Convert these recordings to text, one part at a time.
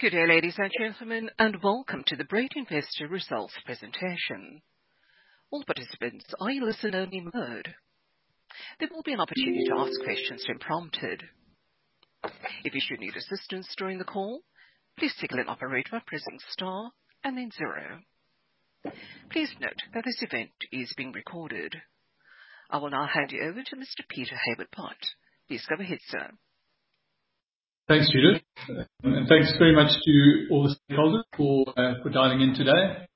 Good day, ladies and gentlemen, and welcome to the Brait Investor Results Presentation. All participants are in listen-only mode. There will be an opportunity to ask questions when prompted. If you should need assistance during the call, please signal an operator by pressing star and then zero. Please note that this event is being recorded. I will now hand you over to Mr. Peter Hayward-Butt. Please come ahead, sir. Thanks, Judith. Thanks very much to all the stakeholders for dialing in today.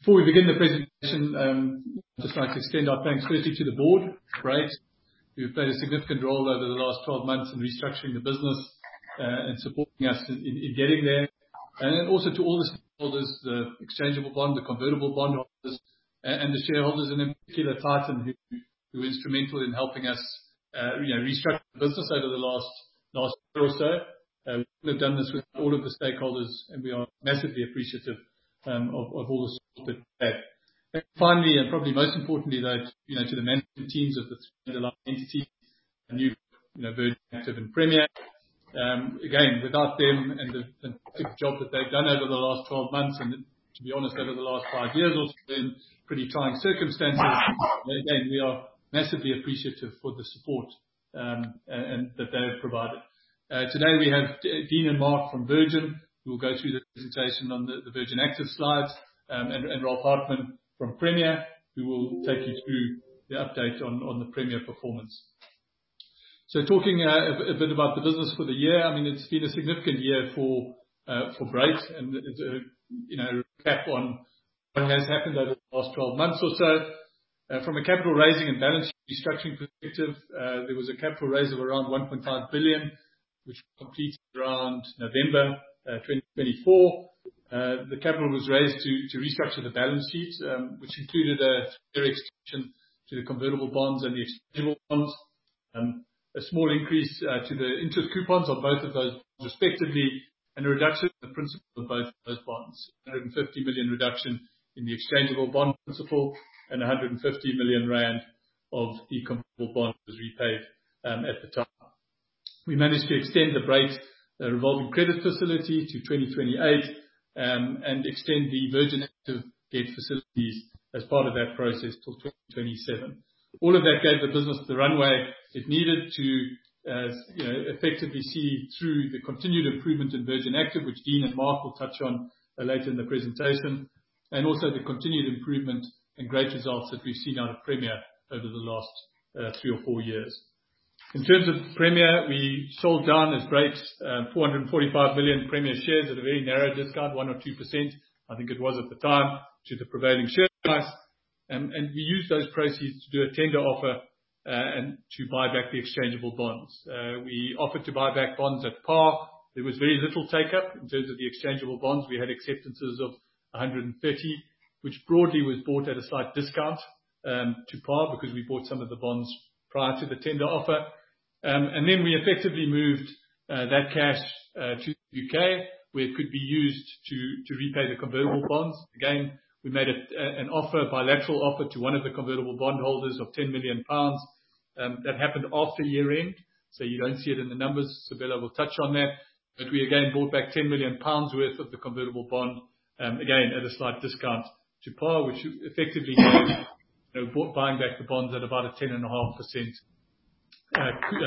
Before we begin the presentation, I'd just like to extend our thanks firstly to the board. Brait, you've played a significant role over the last 12 months in restructuring the business and supporting us in getting there. Also to all the stakeholders, the exchangeable bond, the convertible bond holders, and the shareholders in particular, Tyson, who were instrumental in helping us restructure the business over the last year or so. We've done this with all of the stakeholders, and we are massively appreciative of all the support that you've had. Finally, and probably most importantly, to the management teams of the three underlying entities, New Look, Virgin Active, and Premier. Again, without them and the fantastic job that they've done over the last 12 months, and to be honest, over the last five years also in pretty trying circumstances, we are massively appreciative for the support that they've provided. Today, we have and from Virgin Active, who will go through the presentation on the Virgin Active slides, and Ralph Hartmann from Premier, who will take you through the update on the Premier performance. Talking a bit about the business for the year, I mean, it's been a significant year for Brait, and to recap on what has happened over the last 12 months or so, from a capital raising and balance sheet restructuring perspective, there was a capital raise of around 1.5 billion, which completed around November 2024. The capital was raised to restructure the balance sheet, which included a fair extension to the convertible bonds and the exchangeable bonds, a small increase to the interest coupons on both of those bonds respectively, and a reduction in the principal of both of those bonds, a 150 million reduction in the exchangeable bond principal, and 150 million rand of the convertible bond was repaid at the time. We managed to extend the Brait revolving credit facility to 2028 and extend the Virgin Active gate facilities as part of that process till 2027. All of that gave the business the runway it needed to effectively see through the continued improvement in Virgin Active, which Dean and Mark will touch on later in the presentation, and also the continued improvement and great results that we've seen out of Premier over the last three or four years. In terms of Premier, we sold down as Brait's 445 million Premier shares at a very narrow discount, 1% or 2%, I think it was at the time, to the prevailing share price. We used those proceeds to do a tender offer and to buy back the exchangeable bonds. We offered to buy back bonds at par. There was very little take-up in terms of the exchangeable bonds. We had acceptances of 130, which broadly was bought at a slight discount to par because we bought some of the bonds prior to the tender offer. We effectively moved that cash to the U.K., where it could be used to repay the convertible bonds. Again, we made a bilateral offer to one of the convertible bond holders of 10 million pounds. That happened after year-end, so you do not see it in the numbers. Sabelo will touch on that. We again bought back 10 million pounds worth of the convertible bond, again at a slight discount to par, which effectively bought buying back the bonds at about a 10.5%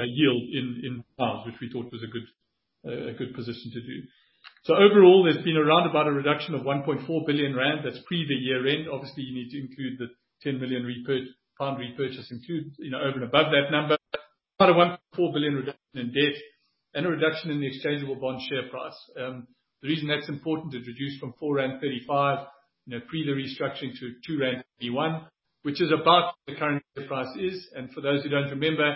yield in pounds, which we thought was a good position to do. Overall, there has been a roundabout reduction of 1.4 billion rand that is pre the year-end. Obviously, you need to include the 10 million pound repurchase over and above that number. About a 1.4 billion reduction in debt and a reduction in the exchangeable bond share price. The reason that is important is it reduced from GBP 4.35 pre the restructuring to GBP 2.81, which is about where the current share price is. For those who do not remember,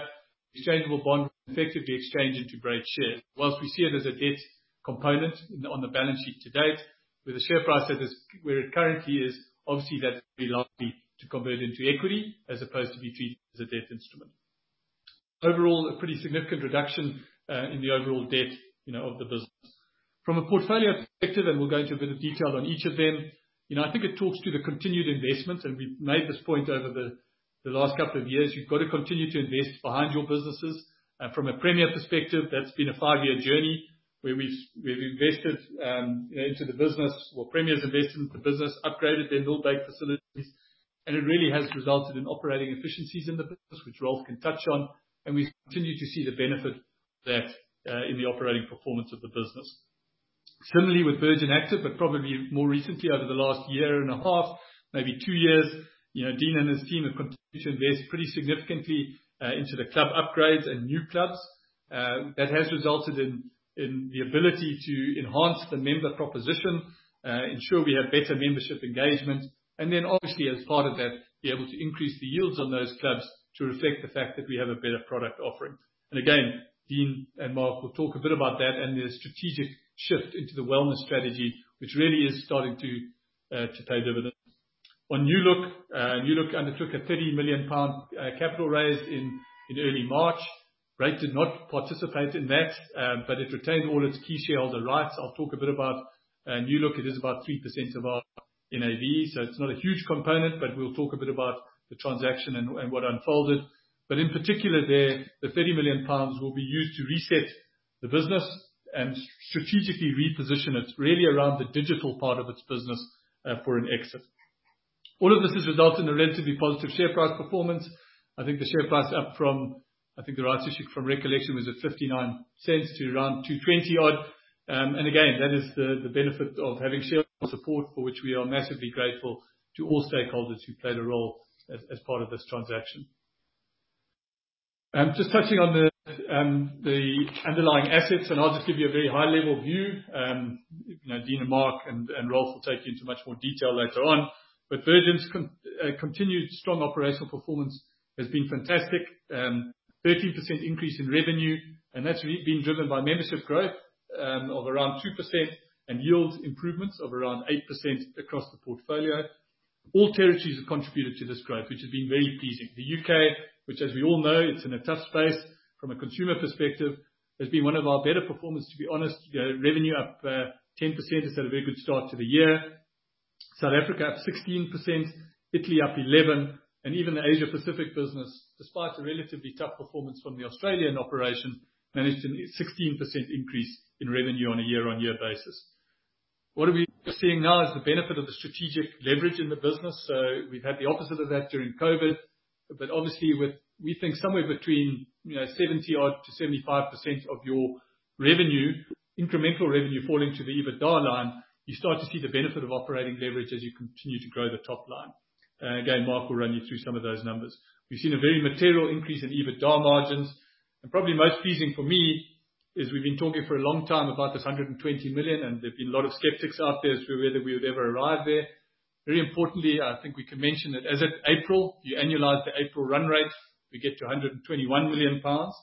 the exchangeable bond was effectively exchanged into Brait shares. Whilst we see it as a debt component on the balance sheet to date, with a share price where it currently is, obviously that's a reliability to convert into equity as opposed to be treated as a debt instrument. Overall, a pretty significant reduction in the overall debt of the business. From a portfolio perspective, and we'll go into a bit of detail on each of them, I think it talks to the continued investments, and we've made this point over the last couple of years. You've got to continue to invest behind your businesses. From a Premier perspective, that's been a five-year journey where we've invested into the business. Well, Premier's invested into the business, upgraded their millbag facilities, and it really has resulted in operating efficiencies in the business, which Ralph can touch on. We have continued to see the benefit of that in the operating performance of the business. Similarly, with Virgin Active, but probably more recently over the last year and a half, maybe two years, Dean and his team have continued to invest pretty significantly into the club upgrades and new clubs. That has resulted in the ability to enhance the member proposition, ensure we have better membership engagement, and then obviously, as part of that, be able to increase the yields on those clubs to reflect the fact that we have a better product offering. Dean and Mark will talk a bit about that and the strategic shift into the wellness strategy, which really is starting to pay dividends. On New Look, New Look undertook a 30 million pound capital raise in early March. Brait did not participate in that, but it retained all its key shareholder rights. I'll talk a bit about New Look. It is about 3% of our NAV, so it's not a huge component, but we'll talk a bit about the transaction and what unfolded. In particular there, the 30 million pounds will be used to reset the business and strategically reposition it really around the digital part of its business for an exit. All of this has resulted in a relatively positive share price performance. I think the share price up from, I think the rights issue from recollection was at 0.59 to around 2.20 odd. That is the benefit of having shareholder support, for which we are massively grateful to all stakeholders who played a role as part of this transaction. Just touching on the underlying assets, and I'll just give you a very high-level view. Dean and Mark and Ralph will take you into much more detail later on. Virgin Active's continued strong operational performance has been fantastic. 13% increase in revenue, and that's been driven by membership growth of around 2% and yield improvements of around 8% across the portfolio. All territories have contributed to this growth, which has been very pleasing. The U.K., which as we all know, it's in a tough space from a consumer perspective, has been one of our better performers, to be honest. Revenue up 10% is at a very good start to the year. South Africa up 16%, Italy up 11%, and even the Asia-Pacific business, despite the relatively tough performance from the Australian operation, managed a 16% increase in revenue on a year-on-year basis. What we're seeing now is the benefit of the strategic leverage in the business. We had the opposite of that during COVID. Obviously, we think somewhere between 70-75% of your incremental revenue falling to the EBITDA line, you start to see the benefit of operating leverage as you continue to grow the top line. Again, Mark will run you through some of those numbers. We have seen a very material increase in EBITDA margins. Probably most pleasing for me is we have been talking for a long time about this 120 million, and there have been a lot of skeptics out there as to whether we would ever arrive there. Very importantly, I think we can mention that as of April, if you annualize the April run rate, we get to 121 million pounds.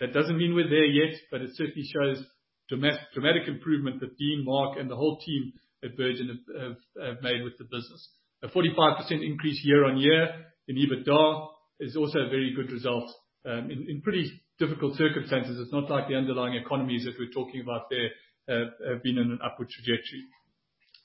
That does not mean we are there yet, but it certainly shows dramatic improvement that Dean, Mark, and the whole team at Virgin Active have made with the business. A 45% increase year-on-year in EBITDA is also a very good result in pretty difficult circumstances. It's not like the underlying economies that we're talking about there have been on an upward trajectory.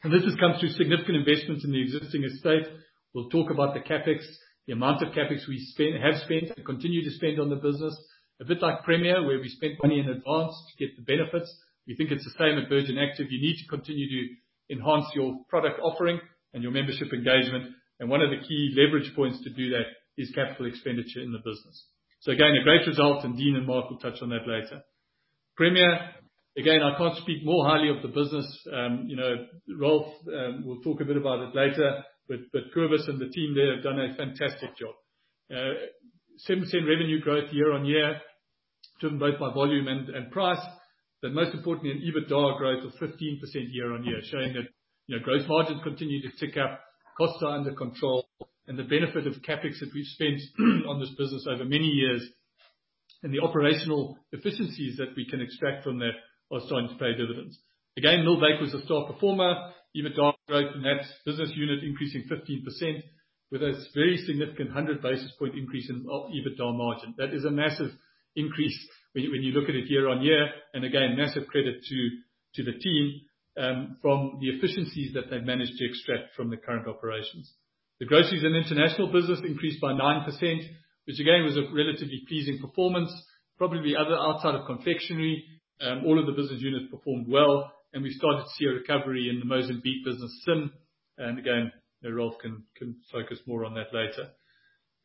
This has come through significant investments in the existing estate. We'll talk about the CapEx, the amount of CapEx we have spent and continue to spend on the business. A bit like Premier, where we spent money in advance to get the benefits. We think it's the same at Virgin Active. You need to continue to enhance your product offering and your membership engagement. One of the key leverage points to do that is capital expenditure in the business. Again, a great result, and Dean and Mark will touch on that later. Premier. Again, I can't speak more highly of the business. Ralph will talk a bit about it later, but Kowarski and the team there have done a fantastic job. 7% revenue growth year-on-year, driven both by volume and price. Most importantly, an EBITDA growth of 15% year-on-year, showing that gross margins continue to tick up, costs are under control, and the benefit of CapEx that we have spent on this business over many years, and the operational efficiencies that we can extract from that are starting to pay dividends. Again, Millbake was a star performer, EBITDA growth in that business unit increasing 15%, with a very significant 100 basis point increase in EBITDA margin. That is a massive increase when you look at it year-on-year, and again, massive credit to the team from the efficiencies that they have managed to extract from the current operations. The groceries and international business increased by 9%, which again was a relatively pleasing performance. Probably outside of confectionery, all of the business units performed well, and we've started to see a recovery in the Mozambique business SIM. Again, Ralph can focus more on that later.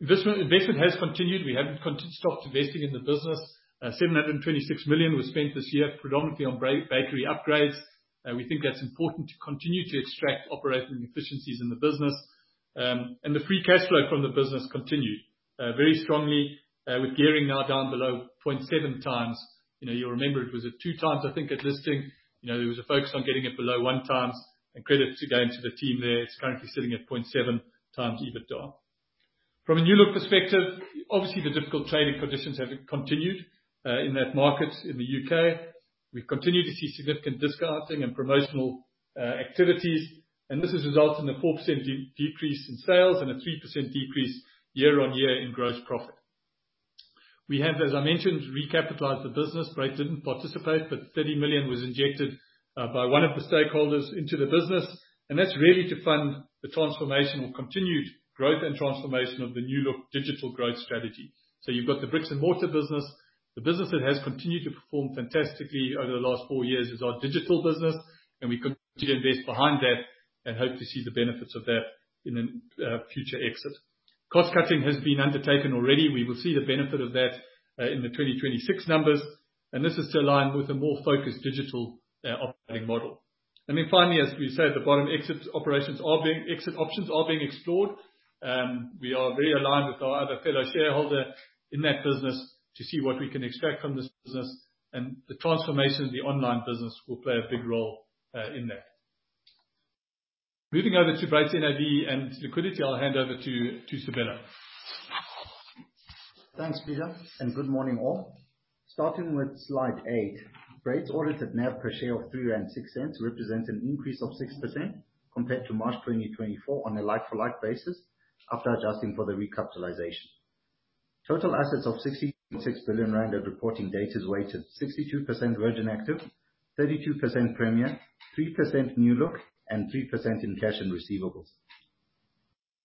Investment has continued. We haven't stopped investing in the business. 726 million was spent this year predominantly on bakery upgrades. We think that's important to continue to extract operating efficiencies in the business. The free cash flow from the business continued very strongly, with gearing now down below 0.7 times. You'll remember it was at two times, I think, at listing. There was a focus on getting it below one times, and credit again to the team there. It's currently sitting at 0.7 times EBITDA. From a New Look perspective, obviously the difficult trading conditions have continued in that market in the U.K.. We've continued to see significant discounting and promotional activities, and this has resulted in a 4% decrease in sales and a 3% decrease year-on-year in gross profit. We have, as I mentioned, recapitalized the business. Brait did not participate, but 30 million was injected by one of the stakeholders into the business, and that is really to fund the transformation or continued growth and transformation of the New Look digital growth strategy. You have got the bricks and mortar business. The business that has continued to perform fantastically over the last four years is our digital business, and we continue to invest behind that and hope to see the benefits of that in a future exit. Cost cutting has been undertaken already. We will see the benefit of that in the 2026 numbers, and this is to align with a more focused digital operating model. Finally, as we say at the bottom, exit options are being explored. We are very aligned with our other fellow shareholder in that business to see what we can extract from this business, and the transformation of the online business will play a big role in that. Moving over to Brait's NAV and liquidity, I'll hand over to Sabelo. Thanks, Peter, and good morning all. Starting with slide eight, Brait's audited net per share of GBP 3.06 represents an increase of 6% compared to March 2024 on a like-for-like basis after adjusting for the recapitalization. Total assets of GBP 6.6 billion at reporting date is weighted 62% Virgin Active, 32% Premier, 3% New Look, and 3% in cash and receivables.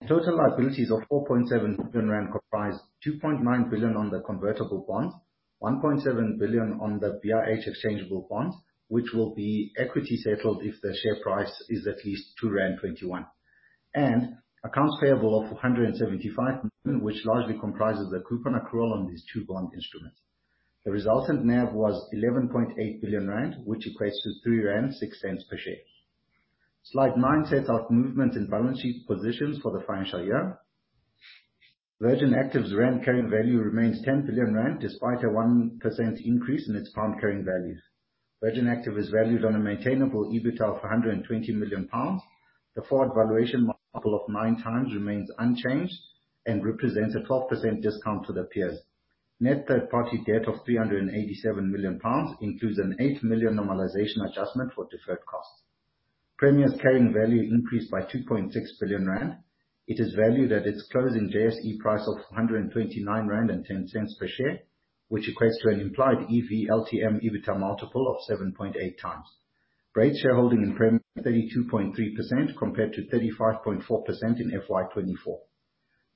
Total liabilities of 4.7 billion rand comprise 2.9 billion on the convertible bonds, 1.7 billion on the BIH exchangeable bonds, which will be equity settled if the share price is at least 2.21 rand, and accounts payable of 175 million, which largely comprises the coupon accrual on these two bond instruments. The resultant NAV was 11.8 billion rand, which equates to 3.06 rand per share. Slide nine sets out movements in balance sheet positions for the financial year. Virgin Active's rent carrying value remains 10 billion rand despite a 1% increase in its pound carrying values. Virgin Active is valued on a maintainable EBITDA of 120 million pounds. The forward valuation multiple of nine times remains unchanged and represents a 12% discount to the peers. Net third-party debt of 387 million pounds includes a 8 million normalization adjustment for deferred costs. Premier's carrying value increased by 2.6 billion rand. It is valued at its closing JSE price of 129.10 rand per share, which equates to an implied EV/LTM EBITDA multiple of 7.8 times. Brait's shareholding in Premier is 32.3% compared to 35.4% in FY 2024.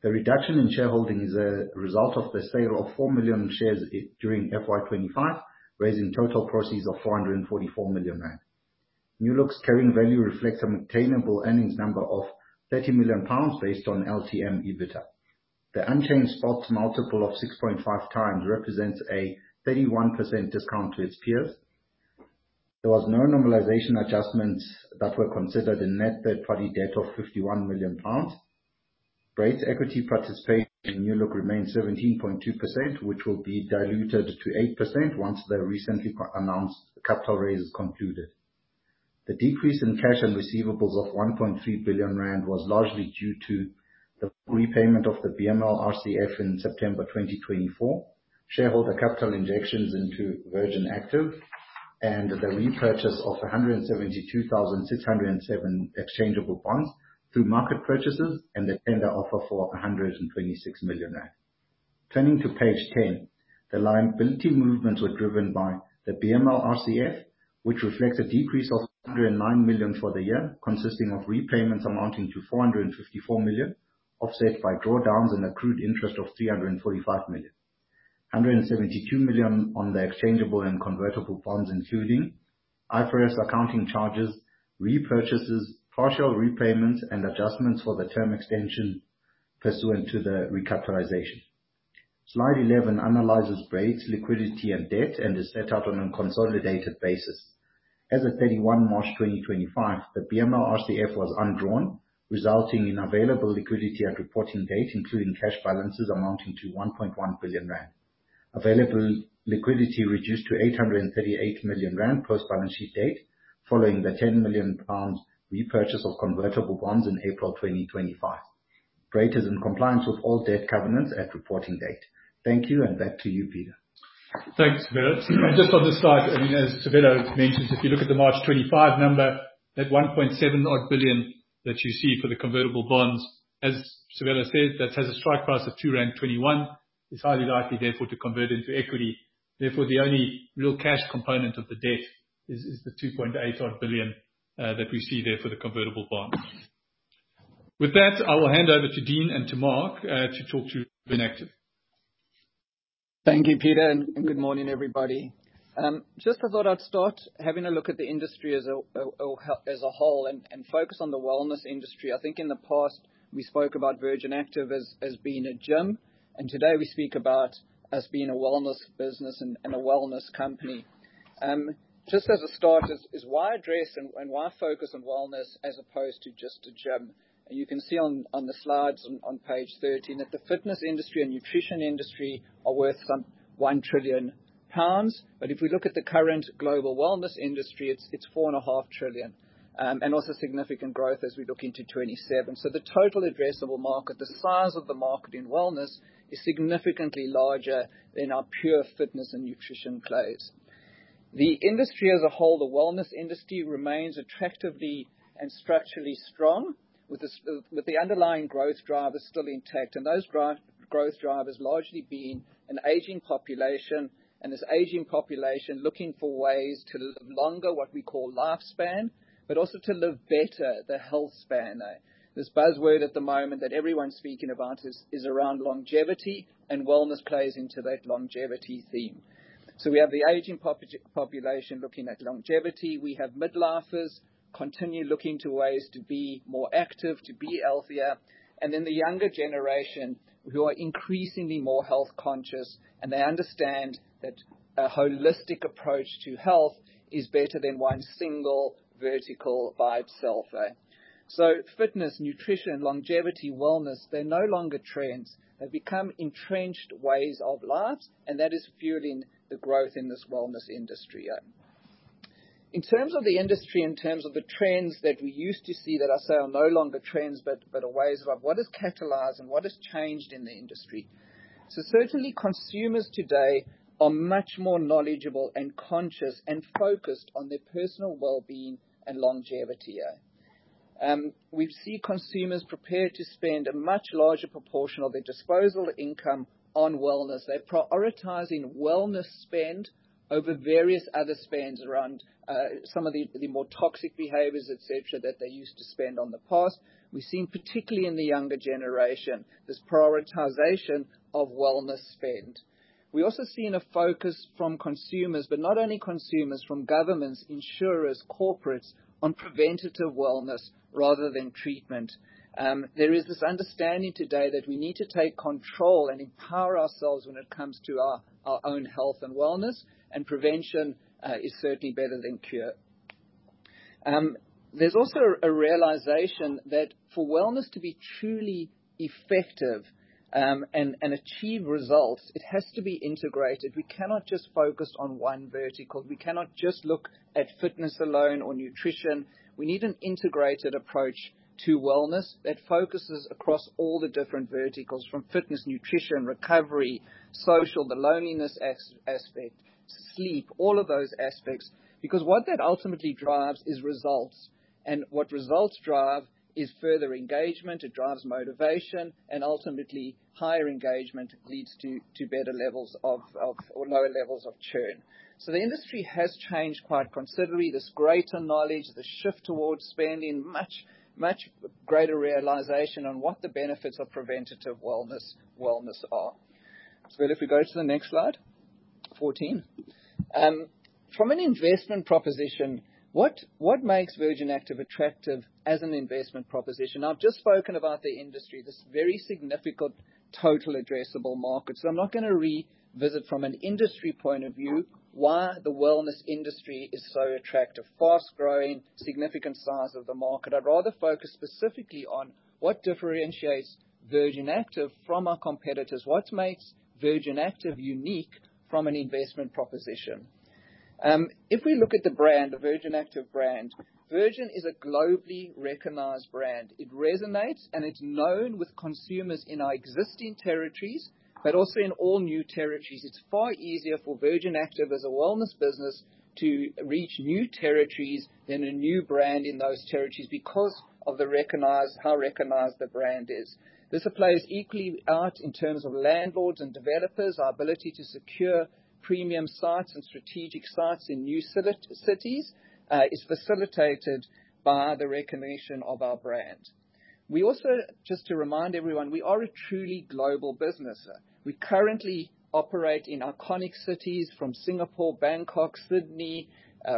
The reduction in shareholding is a result of the sale of 4 million shares during FY 2025, raising total proceeds of 444 million rand. New Look's carrying value reflects a maintainable earnings number of 30 million pounds based on LTM EBITDA. The unchanged spot multiple of 6.5 times represents a 31% discount to its peers. There were no normalization adjustments that were considered in net third-party debt of 51 million pounds. Brait's equity participation in New Look remains 17.2%, which will be diluted to 8% once the recently announced capital raise is concluded. The decrease in cash and receivables of 1.3 billion rand was largely due to the repayment of the BML RCF in September 2024, shareholder capital injections into Virgin Active, and the repurchase of 172,607 exchangeable bonds through market purchases and the tender offer for 126 million rand. Turning to page 10, the liability movements were driven by the BML RCF, which reflects a decrease of 109 million for the year, consisting of repayments amounting to 454 million, offset by drawdowns and accrued interest of 345 million. 172 million on the exchangeable and convertible bonds, including IFRS accounting charges, repurchases, partial repayments, and adjustments for the term extension pursuant to the recapitalization. Slide 11 analyzes Brait's liquidity and debt and is set out on a consolidated basis. As of 31 March 2025, the BML RCF was undrawn, resulting in available liquidity at reporting date, including cash balances amounting to 1.1 billion rand. Available liquidity reduced to GBP 838 million post-balance sheet date, following the 10 million pounds repurchase of convertible bonds in April 2025. Brait is in compliance with all debt covenants at reporting date. Thank you, and back to you, Peter. Thanks, Bert. Just on the side, I mean, as Sabelo mentioned, if you look at the March 2025 number, that 1.7 billion that you see for the convertible bonds, as Sabelo said, that has a strike price of 2.21, is highly likely therefore to convert into equity. Therefore, the only real cash component of the debt is the 2.81 billion that we see there for the convertible bonds. With that, I will hand over to Dean and to Mark to talk to Virgin Active. Thank you, Peter, and good morning, everybody. Just as I thought I'd start, having a look at the industry as a whole and focus on the wellness industry, I think in the past we spoke about Virgin Active as being a gym, and today we speak about it as being a wellness business and a wellness company. Just as a start, is why address and why focus on wellness as opposed to just a gym? You can see on the slides on page 13 that the fitness industry and nutrition industry are worth 1 trillion pounds, but if we look at the current global wellness industry, it's 4.5 trillion and also significant growth as we look into 2027. The total addressable market, the size of the market in wellness, is significantly larger than our pure fitness and nutrition plays. The industry as a whole, the wellness industry, remains attractively and structurally strong, with the underlying growth drivers still intact. Those growth drivers largely being an aging population and this aging population looking for ways to live longer, what we call lifespan, but also to live better, the health span. This buzzword at the moment that everyone's speaking about is around longevity, and wellness plays into that longevity theme. We have the aging population looking at longevity. We have midlifers continuing to look into ways to be more active, to be healthier, and then the younger generation who are increasingly more health conscious, and they understand that a holistic approach to health is better than one single vertical by itself. Fitness, nutrition, longevity, wellness, they're no longer trends. They've become entrenched ways of lives, and that is fueling the growth in this wellness industry. In terms of the industry, in terms of the trends that we used to see that are now no longer trends, but are ways of what has catalyzed and what has changed in the industry. Certainly, consumers today are much more knowledgeable and conscious and focused on their personal well-being and longevity. We see consumers prepared to spend a much larger proportion of their disposable income on wellness. They're prioritizing wellness spend over various other spends around some of the more toxic behaviors, etc., that they used to spend on in the past. We've seen, particularly in the younger generation, this prioritization of wellness spend. We also see a focus from consumers, but not only consumers, from governments, insurers, corporates, on preventative wellness rather than treatment. There is this understanding today that we need to take control and empower ourselves when it comes to our own health and wellness, and prevention is certainly better than cure. There is also a realization that for wellness to be truly effective and achieve results, it has to be integrated. We cannot just focus on one vertical. We cannot just look at fitness alone or nutrition. We need an integrated approach to wellness that focuses across all the different verticals from fitness, nutrition, recovery, social, the loneliness aspect, sleep, all of those aspects, because what that ultimately drives is results. What results drive is further engagement. It drives motivation, and ultimately higher engagement leads to better levels of or lower levels of churn. The industry has changed quite considerably. This greater knowledge, the shift towards spending, much greater realization on what the benefits of preventative wellness are. If we go to the next slide, 14. From an investment proposition, what makes Virgin Active attractive as an investment proposition? I've just spoken about the industry, this very significant total addressable market. I'm not going to revisit from an industry point of view why the wellness industry is so attractive, fast growing, significant size of the market. I'd rather focus specifically on what differentiates Virgin Active from our competitors. What makes Virgin Active unique from an investment proposition? If we look at the brand, the Virgin Active brand, Virgin is a globally recognized brand. It resonates, and it's known with consumers in our existing territories, but also in all new territories. It's far easier for Virgin Active as a wellness business to reach new territories than a new brand in those territories because of how recognized the brand is. This plays equally out in terms of landlords and developers. Our ability to secure premium sites and strategic sites in new cities is facilitated by the recognition of our brand. We also, just to remind everyone, we are a truly global business. We currently operate in iconic cities from Singapore, Bangkok, Sydney,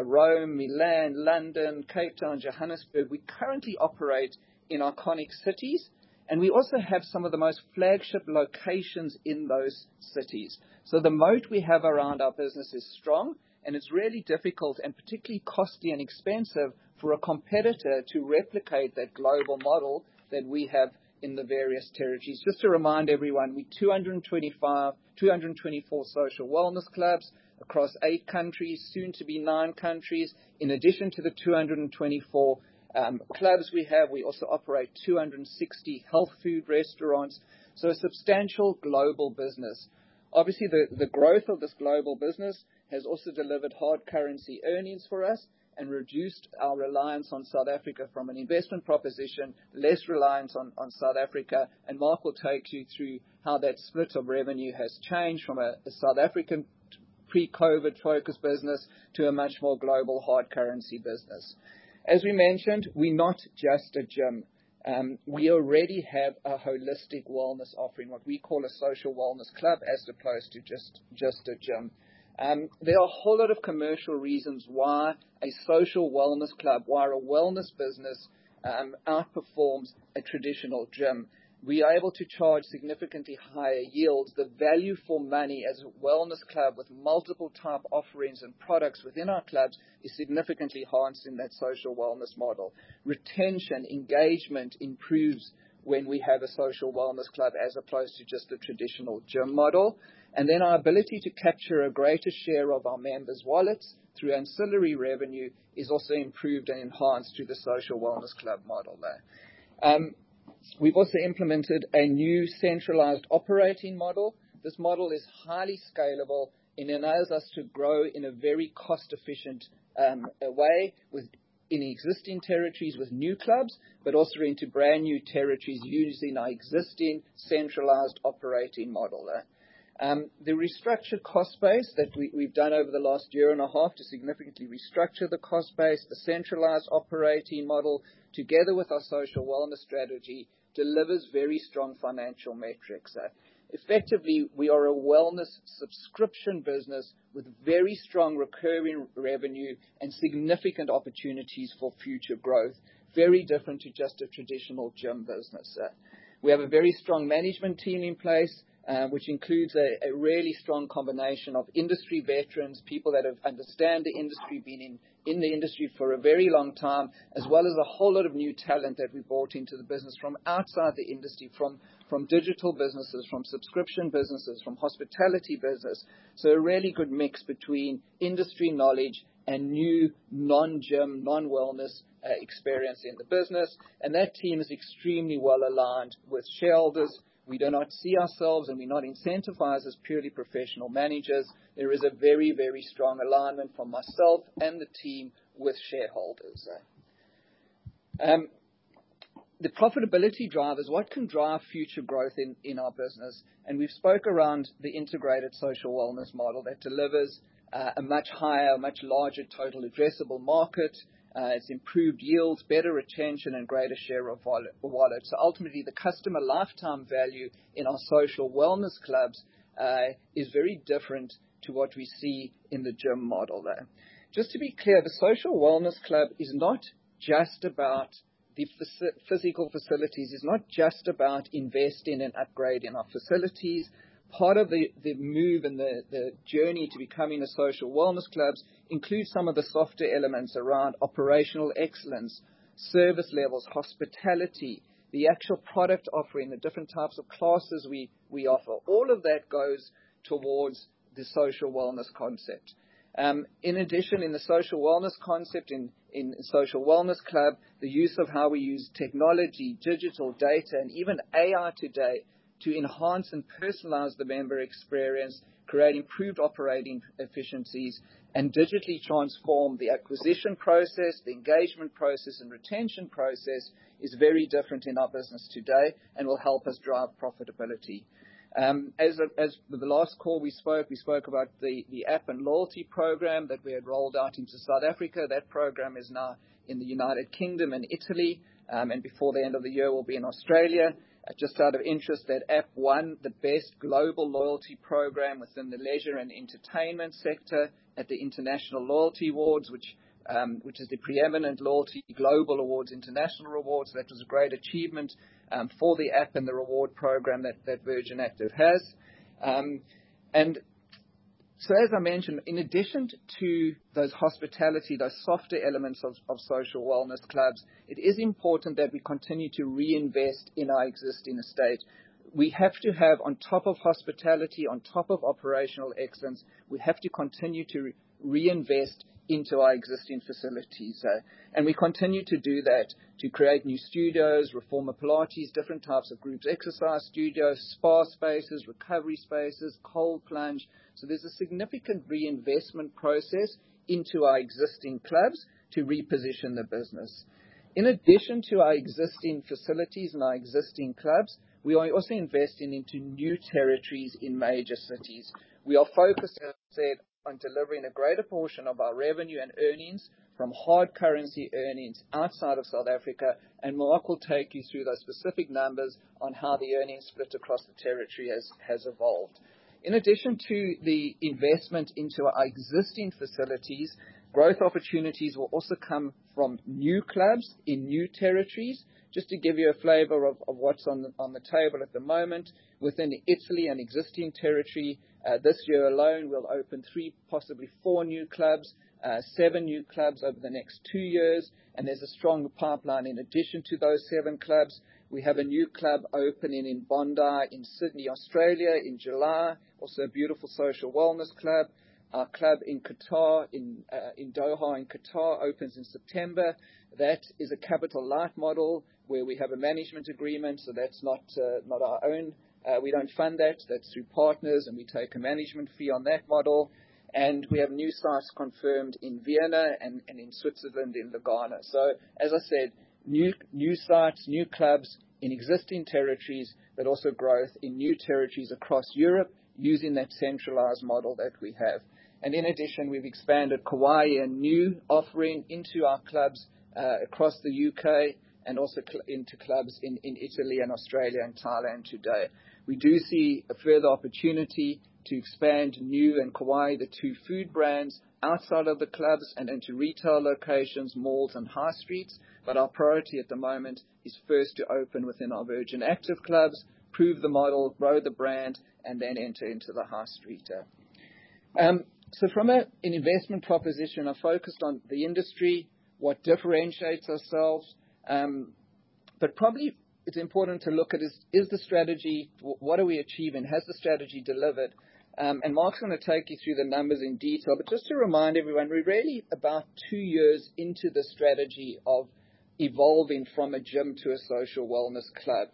Rome, Milan, London, Cape Town, Johannesburg. We currently operate in iconic cities, and we also have some of the most flagship locations in those cities. The moat we have around our business is strong, and it's really difficult and particularly costly and expensive for a competitor to replicate that global model that we have in the various territories. Just to remind everyone, we have 224 social wellness clubs across eight countries, soon to be nine countries. In addition to the 224 clubs we have, we also operate 260 health food restaurants. A substantial global business. Obviously, the growth of this global business has also delivered hard currency earnings for us and reduced our reliance on South Africa from an investment proposition, less reliance on South Africa. Mark will take you through how that split of revenue has changed from a South African pre-COVID focus business to a much more global hard currency business. As we mentioned, we're not just a gym. We already have a holistic wellness offering, what we call a social wellness club, as opposed to just a gym. There are a whole lot of commercial reasons why a social wellness club, why a wellness business outperforms a traditional gym. We are able to charge significantly higher yields. The value for money as a wellness club with multiple type offerings and products within our clubs is significantly enhanced in that social wellness model. Retention engagement improves when we have a social wellness club as opposed to just the traditional gym model. Our ability to capture a greater share of our members' wallets through ancillary revenue is also improved and enhanced through the social wellness club model. We've also implemented a new centralized operating model. This model is highly scalable and allows us to grow in a very cost-efficient way in existing territories with new clubs, but also into brand new territories using our existing centralized operating model. The restructured cost base that we've done over the last year and a half to significantly restructure the cost base, the centralized operating model together with our social wellness strategy delivers very strong financial metrics. Effectively, we are a wellness subscription business with very strong recurring revenue and significant opportunities for future growth, very different to just a traditional gym business. We have a very strong management team in place, which includes a really strong combination of industry veterans, people that understand the industry, been in the industry for a very long time, as well as a whole lot of new talent that we brought into the business from outside the industry, from digital businesses, from subscription businesses, from hospitality businesses. A really good mix between industry knowledge and new non-gym, non-wellness experience in the business. That team is extremely well aligned with shareholders. We do not see ourselves, and we're not incentivized as purely professional managers. There is a very, very strong alignment from myself and the team with shareholders. The profitability drivers, what can drive future growth in our business? We spoke around the integrated social wellness model that delivers a much higher, much larger total addressable market. is improved yields, better retention, and greater share of wallets. Ultimately, the customer lifetime value in our social wellness clubs is very different to what we see in the gym model. Just to be clear, the social wellness club is not just about the physical facilities. It is not just about investing and upgrading our facilities. Part of the move and the journey to becoming a social wellness club includes some of the softer elements around operational excellence, service levels, hospitality, the actual product offering, the different types of classes we offer. All of that goes towards the social wellness concept. In addition, in the social wellness concept, in the social wellness club, the use of how we use technology, digital data, and even AI today to enhance and personalize the member experience, create improved operating efficiencies, and digitally transform the acquisition process, the engagement process, and retention process is very different in our business today and will help us drive profitability. As with the last call we spoke, we spoke about the app and loyalty program that we had rolled out into South Africa. That program is now in the United Kingdom and Italy, and before the end of the year, will be in Australia. Just out of interest, that app won the best global loyalty program within the leisure and entertainment sector at the International Loyalty Awards, which is the preeminent loyalty global awards, international awards. That was a great achievement for the app and the reward program that Virgin Active has. As I mentioned, in addition to those hospitality, those softer elements of social wellness clubs, it is important that we continue to reinvest in our existing estate. We have to have, on top of hospitality, on top of operational excellence, we have to continue to reinvest into our existing facilities. We continue to do that to create new studios, reformer Pilates, different types of groups, exercise studios, spa spaces, recovery spaces, cold plunge. There is a significant reinvestment process into our existing clubs to reposition the business. In addition to our existing facilities and our existing clubs, we are also investing into new territories in major cities. We are focused on delivering a greater portion of our revenue and earnings from hard currency earnings outside of South Africa, and Mark will take you through those specific numbers on how the earnings split across the territory has evolved. In addition to the investment into our existing facilities, growth opportunities will also come from new clubs in new territories. Just to give you a flavor of what's on the table at the moment, within Italy, an existing territory, this year alone, we'll open three, possibly four new clubs, seven new clubs over the next two years, and there's a strong pipeline in addition to those seven clubs. We have a new club opening in Bondi in Sydney, Australia, in July, also a beautiful social wellness club. Our club in Qatar, in Doha in Qatar, opens in September. That is a capital light model where we have a management agreement, so that's not our own. We do not fund that. That is through partners, and we take a management fee on that model. We have new sites confirmed in Vienna and in Switzerland in Lugano. As I said, new sites, new clubs in existing territories, but also growth in new territories across Europe using that centralized model that we have. In addition, we have expanded Kauai and new offering into our clubs across the U.K. and also into clubs in Italy and Australia and Thailand today. We do see a further opportunity to expand New Look and Kauai, the two food brands, outside of the clubs and into retail locations, malls, and high streets. Our priority at the moment is first to open within our Virgin Active clubs, prove the model, grow the brand, and then enter into the high street. From an investment proposition, I have focused on the industry, what differentiates ourselves. Probably it is important to look at the strategy, what are we achieving, has the strategy delivered? Mark is going to take you through the numbers in detail. Just to remind everyone, we are really about two years into the strategy of evolving from a gym to a social wellness club.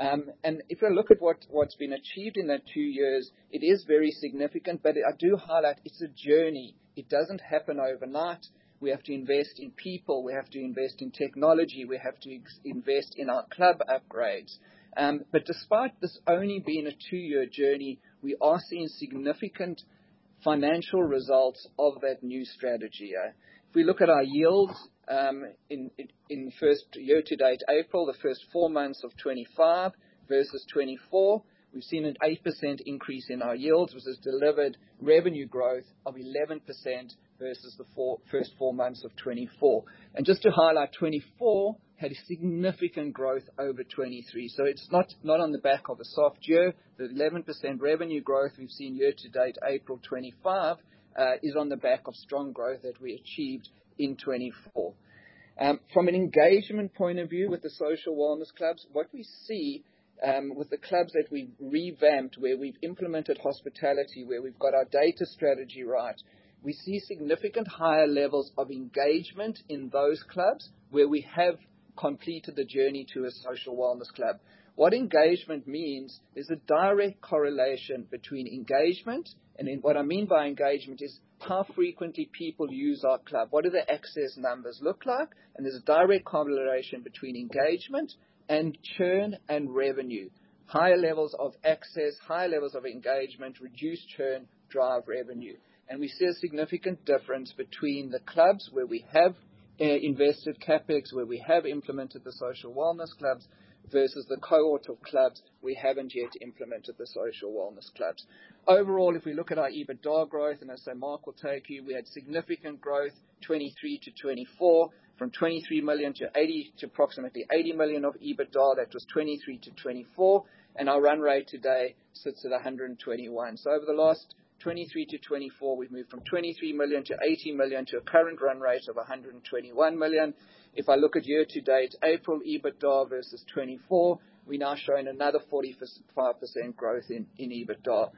If we look at what has been achieved in that two years, it is very significant, but I do highlight it is a journey. It does not happen overnight. We have to invest in people. We have to invest in technology. We have to invest in our club upgrades. Despite this only being a two-year journey, we are seeing significant financial results of that new strategy. If we look at our yields in the first year to date, April, the first four months of 2025 versus 2024, we've seen an 8% increase in our yields, which has delivered revenue growth of 11% versus the first four months of 2024. Just to highlight, 2024 had significant growth over 2023. It is not on the back of a soft year. The 11% revenue growth we've seen year to date, April 2025, is on the back of strong growth that we achieved in 2024. From an engagement point of view with the social wellness clubs, what we see with the clubs that we've revamped, where we've implemented hospitality, where we've got our data strategy right, we see significantly higher levels of engagement in those clubs where we have completed the journey to a social wellness club. What engagement means is a direct correlation between engagement, and what I mean by engagement is how frequently people use our club, what do the access numbers look like, and there's a direct correlation between engagement and churn and revenue. Higher levels of access, higher levels of engagement, reduced churn drive revenue. We see a significant difference between the clubs where we have invested CapEx, where we have implemented the social wellness clubs versus the cohort of clubs we haven't yet implemented the social wellness clubs. Overall, if we look at our EBITDA growth, and as I say, Mark will take you, we had significant growth 2023 to 2024, from 23 million to approximately 80 million of EBITDA. That was 2023 to 2024, and our run rate today sits at 121 million. Over the last 2023 to 2024, we've moved from 23 million to 80 million to a current run rate of 121 million. If I look at year to date, April EBITDA versus 2024, we now show another 45% growth in EBITDA.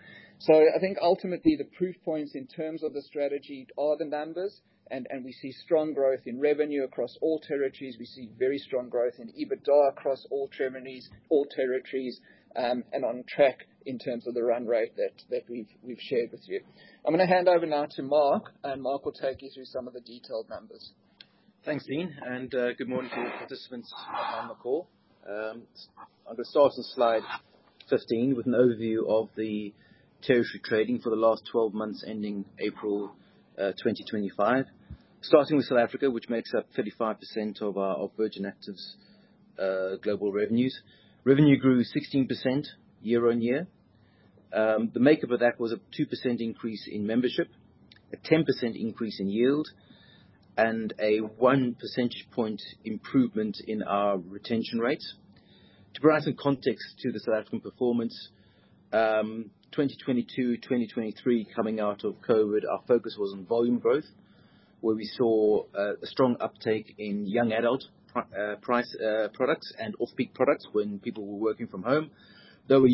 I think ultimately the proof points in terms of the strategy are the numbers, and we see strong growth in revenue across all territories. We see very strong growth in EBITDA across all territories and on track in terms of the run rate that we've shared with you. I'm going to hand over now to Mark, and Mark will take you through some of the detailed numbers. Thanks, Dean, and good morning to all participants on the call. I'm going to start off on slide 15 with an overview of the territory trading for the last 12 months ending April 2025. Starting with South Africa, which makes up 35% of our Virgin Active's global revenues. Revenue grew 16% year on year. The makeup of that was a 2% increase in membership, a 10% increase in yield, and a one percent point improvement in our retention rates. To provide some context to the South African performance, 2022, 2023, coming out of COVID, our focus was on volume growth, where we saw a strong uptake in young adult products and off-peak products when people were working from home. There were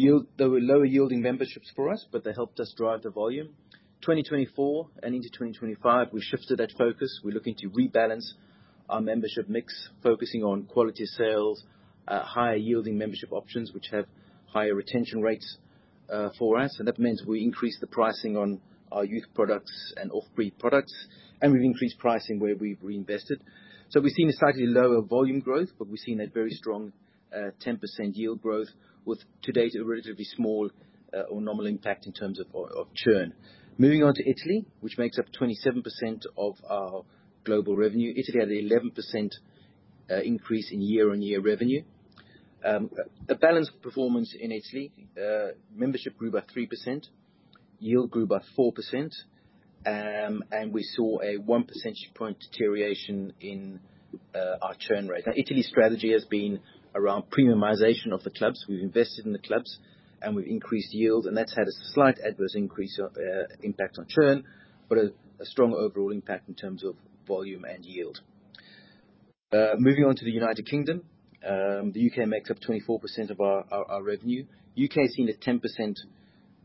lower yielding memberships for us, but they helped us drive the volume. In 2024 and into 2025, we shifted that focus. We're looking to rebalance our membership mix, focusing on quality sales, higher yielding membership options, which have higher retention rates for us. That means we increased the pricing on our youth products and off-peak products, and we've increased pricing where we've reinvested. We have seen a slightly lower volume growth, but we've seen a very strong 10% yield growth with today's relatively small or normal impact in terms of churn. Moving on to Italy, which makes up 27% of our global revenue. Italy had an 11% increase in year-on-year revenue. A balanced performance in Italy. Membership grew by 3%. Yield grew by 4%, and we saw a 1 percentage point deterioration in our churn rate. Now, Italy's strategy has been around premiumization of the clubs. We've invested in the clubs, and we've increased yield, and that's had a slight adverse impact on churn, but a strong overall impact in terms of volume and yield. Moving on to the U.K., the U.K. makes up 24% of our revenue. U.K. has seen a 10%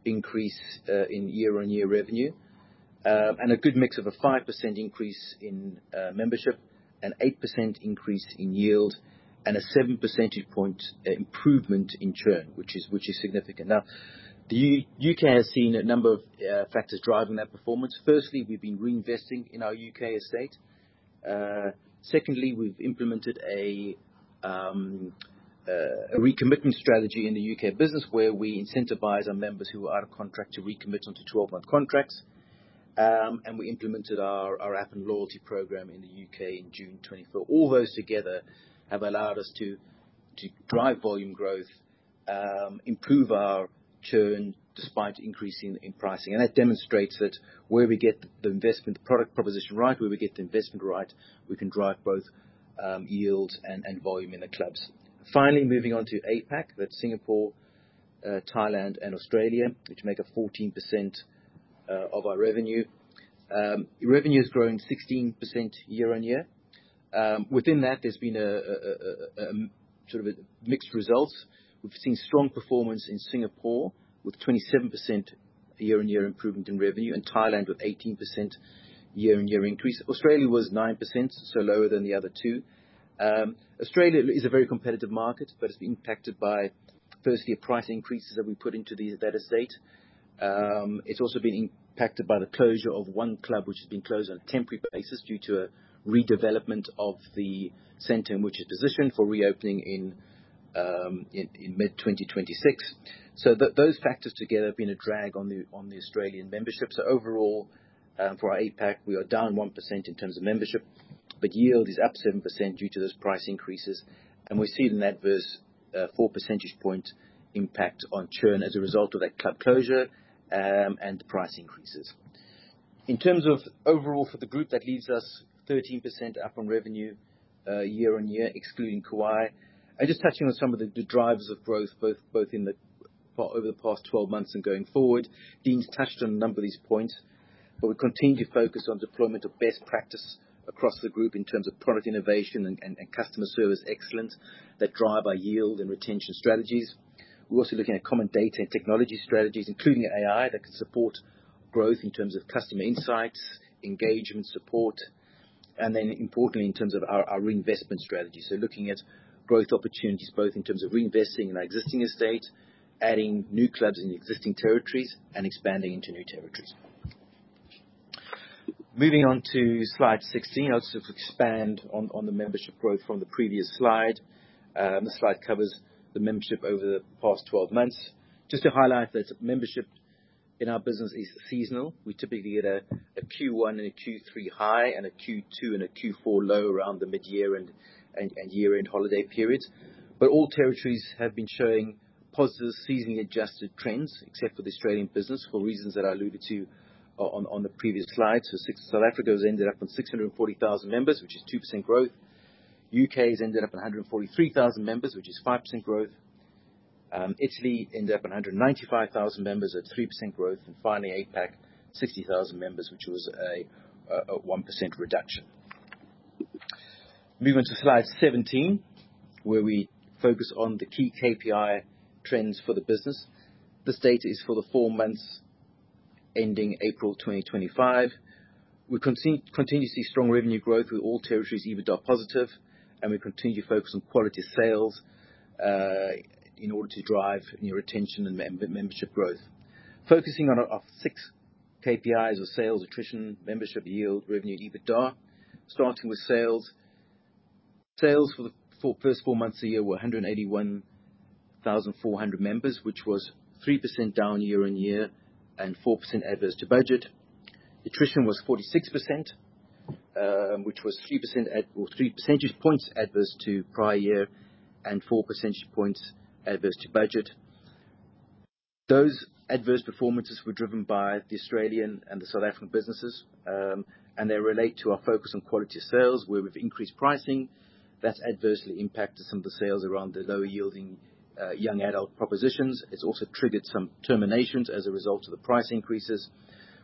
increase in year-on-year revenue and a good mix of a 5% increase in membership, an 8% increase in yield, and a 7 percentage point improvement in churn, which is significant. Now, the U.K. has seen a number of factors driving that performance. Firstly, we've been reinvesting in our U.K. estate. Secondly, we've implemented a recommitment strategy in the U.K. business where we incentivize our members who are out of contract to recommit onto 12-month contracts. And we implemented our app and loyalty program in the U.K. in June 2024. All those together have allowed us to drive volume growth, improve our churn despite increasing in pricing. That demonstrates that where we get the investment, the product proposition right, where we get the investment right, we can drive both yield and volume in the clubs. Finally, moving on to APAC, that's Singapore, Thailand, and Australia, which make up 14% of our revenue. Revenue has grown 16% year on year. Within that, there's been sort of mixed results. We've seen strong performance in Singapore with 27% year-on-year improvement in revenue, and Thailand with 18% year-on-year increase. Australia was 9%, so lower than the other two. Australia is a very competitive market, but it's been impacted by firstly price increases that we put into the estate. It's also been impacted by the closure of one club, which has been closed on a temporary basis due to a redevelopment of the center in which it's positioned for reopening in mid-2026. Those factors together have been a drag on the Australian membership. Overall, for our APAC, we are down 1% in terms of membership, but yield is up 7% due to those price increases. We've seen an adverse four percentage point impact on churn as a result of that club closure and the price increases. In terms of overall for the group, that leaves us 13% up on revenue year on year, excluding Kauai. Just touching on some of the drivers of growth, both over the past 12 months and going forward, Dean's touched on a number of these points, but we continue to focus on deployment of best practice across the group in terms of product innovation and customer service excellence that drive our yield and retention strategies. We are also looking at common data and technology strategies, including AI that can support growth in terms of customer insights, engagement, support, and then importantly, in terms of our reinvestment strategy. Looking at growth opportunities both in terms of reinvesting in our existing estate, adding new clubs in existing territories, and expanding into new territories. Moving on to slide 16, I'll just expand on the membership growth from the previous slide. The slide covers the membership over the past 12 months. Just to highlight that membership in our business is seasonal. We typically get a Q1 and a Q3 high and a Q2 and a Q4 low around the mid-year and year-end holiday period. All territories have been showing positive seasonally adjusted trends, except for the Australian business, for reasons that I alluded to on the previous slide. South Africa has ended up with 640,000 members, which is 2% growth. U.K. has ended up with 143,000 members, which is 5% growth. Italy ended up with 195,000 members, a 3% growth, and finally APAC, 60,000 members, which was a 1% reduction. Moving on to slide 17, where we focus on the key KPI trends for the business. This data is for the four months ending April 2025. We continue to see strong revenue growth with all territories EBITDA positive, and we continue to focus on quality sales in order to drive new retention and membership growth. Focusing on our six KPIs of sales, attrition, membership, yield, revenue, EBITDA, starting with sales. Sales for the first four months of the year were 181,400 members, which was 3% down year-on-year and 4% adverse to budget. Attrition was 46%, which was 3 percentage points adverse to prior year and four percentage points adverse to budget. Those adverse performances were driven by the Australian and the South African businesses, and they relate to our focus on quality sales, where we've increased pricing. That's adversely impacted some of the sales around the lower-yielding young adult propositions. It's also triggered some terminations as a result of the price increases.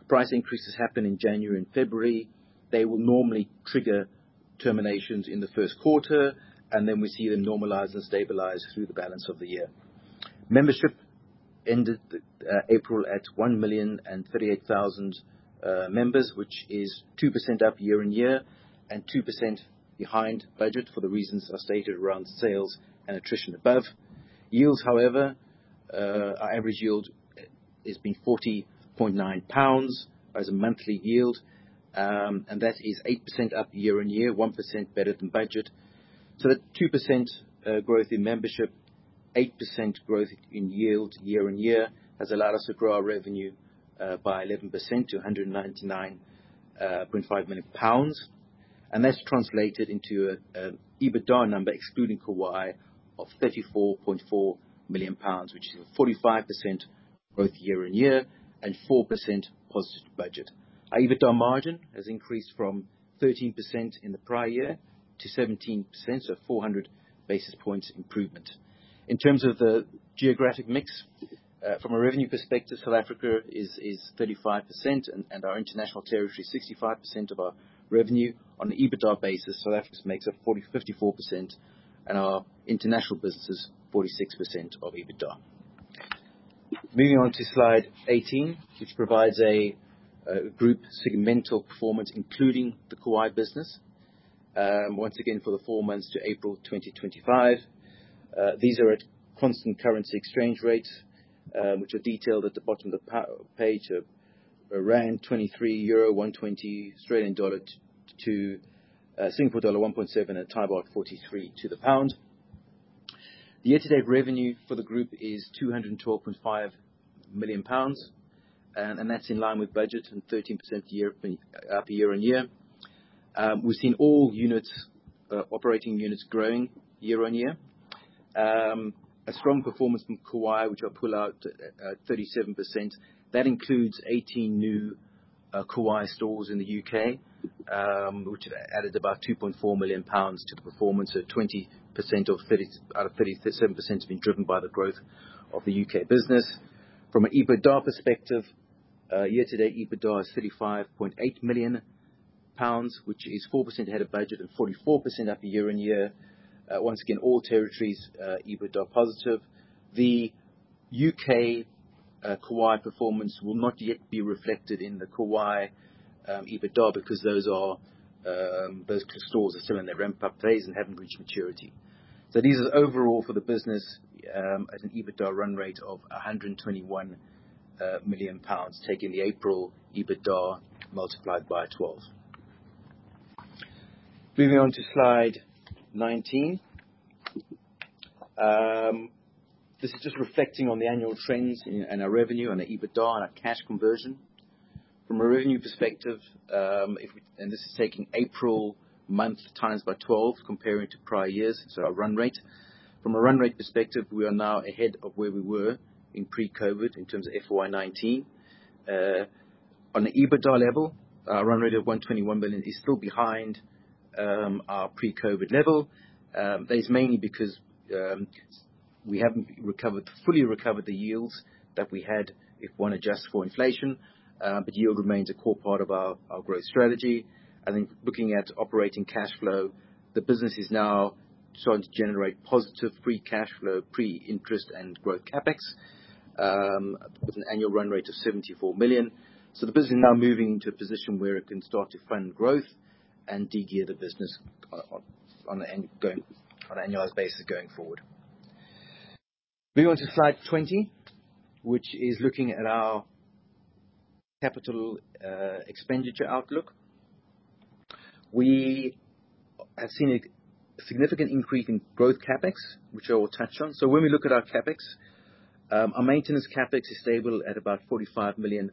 Price increases happen in January and February. They will normally trigger terminations in the first quarter, and then we see them normalize and stabilize through the balance of the year. Membership ended April at 1,038,000 members, which is 2% up year-on-year and 2% behind budget for the reasons I stated around sales and attrition above. Yields, however, our average yield has been 40.9 pounds as a monthly yield, and that is 8% up year-on-year, 1% better than budget. That 2% growth in membership, 8% growth in yield year-on-year has allowed us to grow our revenue by 11% to 199.5 million pounds. That has translated into an EBITDA number, excluding Kauai, of 34.4 million pounds, which is a 45% growth year-on-year and 4% positive to budget. Our EBITDA margin has increased from 13% in the prior year to 17%, a 400 basis points improvement. In terms of the geographic mix, from a revenue perspective, South Africa is 35%, and our international territory is 65% of our revenue. On an EBITDA basis, South Africa makes up 54%, and our international business is 46% of EBITDA. Moving on to slide 18, which provides a group segmental performance, including the Kauai business, once again for the four months to April 2025. These are at constant currency exchange rates, which are detailed at the bottom of the page, around EUR 23, 120 Australian dollar to Singapore dollar 1.7, and a baht 43 to GBP 1. The year-to-date revenue for the group is 212.5 million pounds, and that's in line with budget and 13% up year-on-year. We've seen all operating units growing year-on-year. A strong performance from Kauai, which I'll pull out, 37%. That includes 18 new Kauai stores in the U.K., which added about 2.4 million pounds to the performance. 20% out of 37% has been driven by the growth of the U.K. business. From an EBITDA perspective, year-to-date EBITDA is 35.8 million pounds, which is 4% ahead of budget and 44% up year-on-year. Once again, all territories EBITDA positive. The U.K. Kauai performance will not yet be reflected in the Kauai EBITDA because those stores are still in their ramp-up phase and have not reached maturity. These are overall for the business at an EBITDA run rate of 121 million pounds, taking the April EBITDA multiplied by 12. Moving on to slide 19. This is just reflecting on the annual trends in our revenue and our EBITDA and our cash conversion. From a revenue perspective, and this is taking April month times by 12, comparing it to prior years, so our run rate. From a run rate perspective, we are now ahead of where we were in pre-COVID in terms of FY 2019. On an EBITDA level, our run rate of 121 million is still behind our pre-COVID level. That is mainly because we have not fully recovered the yields that we had if one adjusts for inflation, but yield remains a core part of our growth strategy. I think looking at operating cash flow, the business is now starting to generate positive free cash flow, pre-interest and growth CapEx, with an annual run rate of 74 million. The business is now moving into a position where it can start to fund growth and de-gear the business on an annualized basis going forward. Moving on to slide 20, which is looking at our capital expenditure outlook. We have seen a significant increase in growth CapEx, which I will touch on. When we look at our CapEx, our maintenance CapEx is stable at about 45 million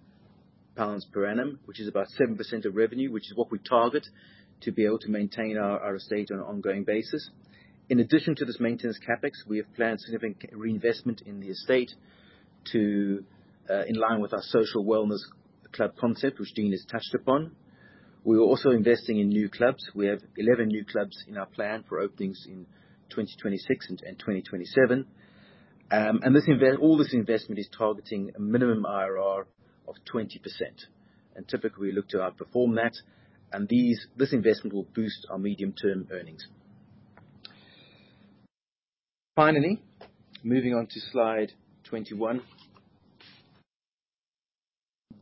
pounds per annum, which is about 7% of revenue, which is what we target to be able to maintain our estate on an ongoing basis. In addition to this maintenance CapEx, we have planned significant reinvestment in the estate in line with our social wellness club concept, which Dean has touched upon. We are also investing in new clubs. We have 11 new clubs in our plan for openings in 2026 and 2027. All this investment is targeting a minimum IRR of 20%. Typically, we look to outperform that, and this investment will boost our medium-term earnings. Finally, moving on to slide 21.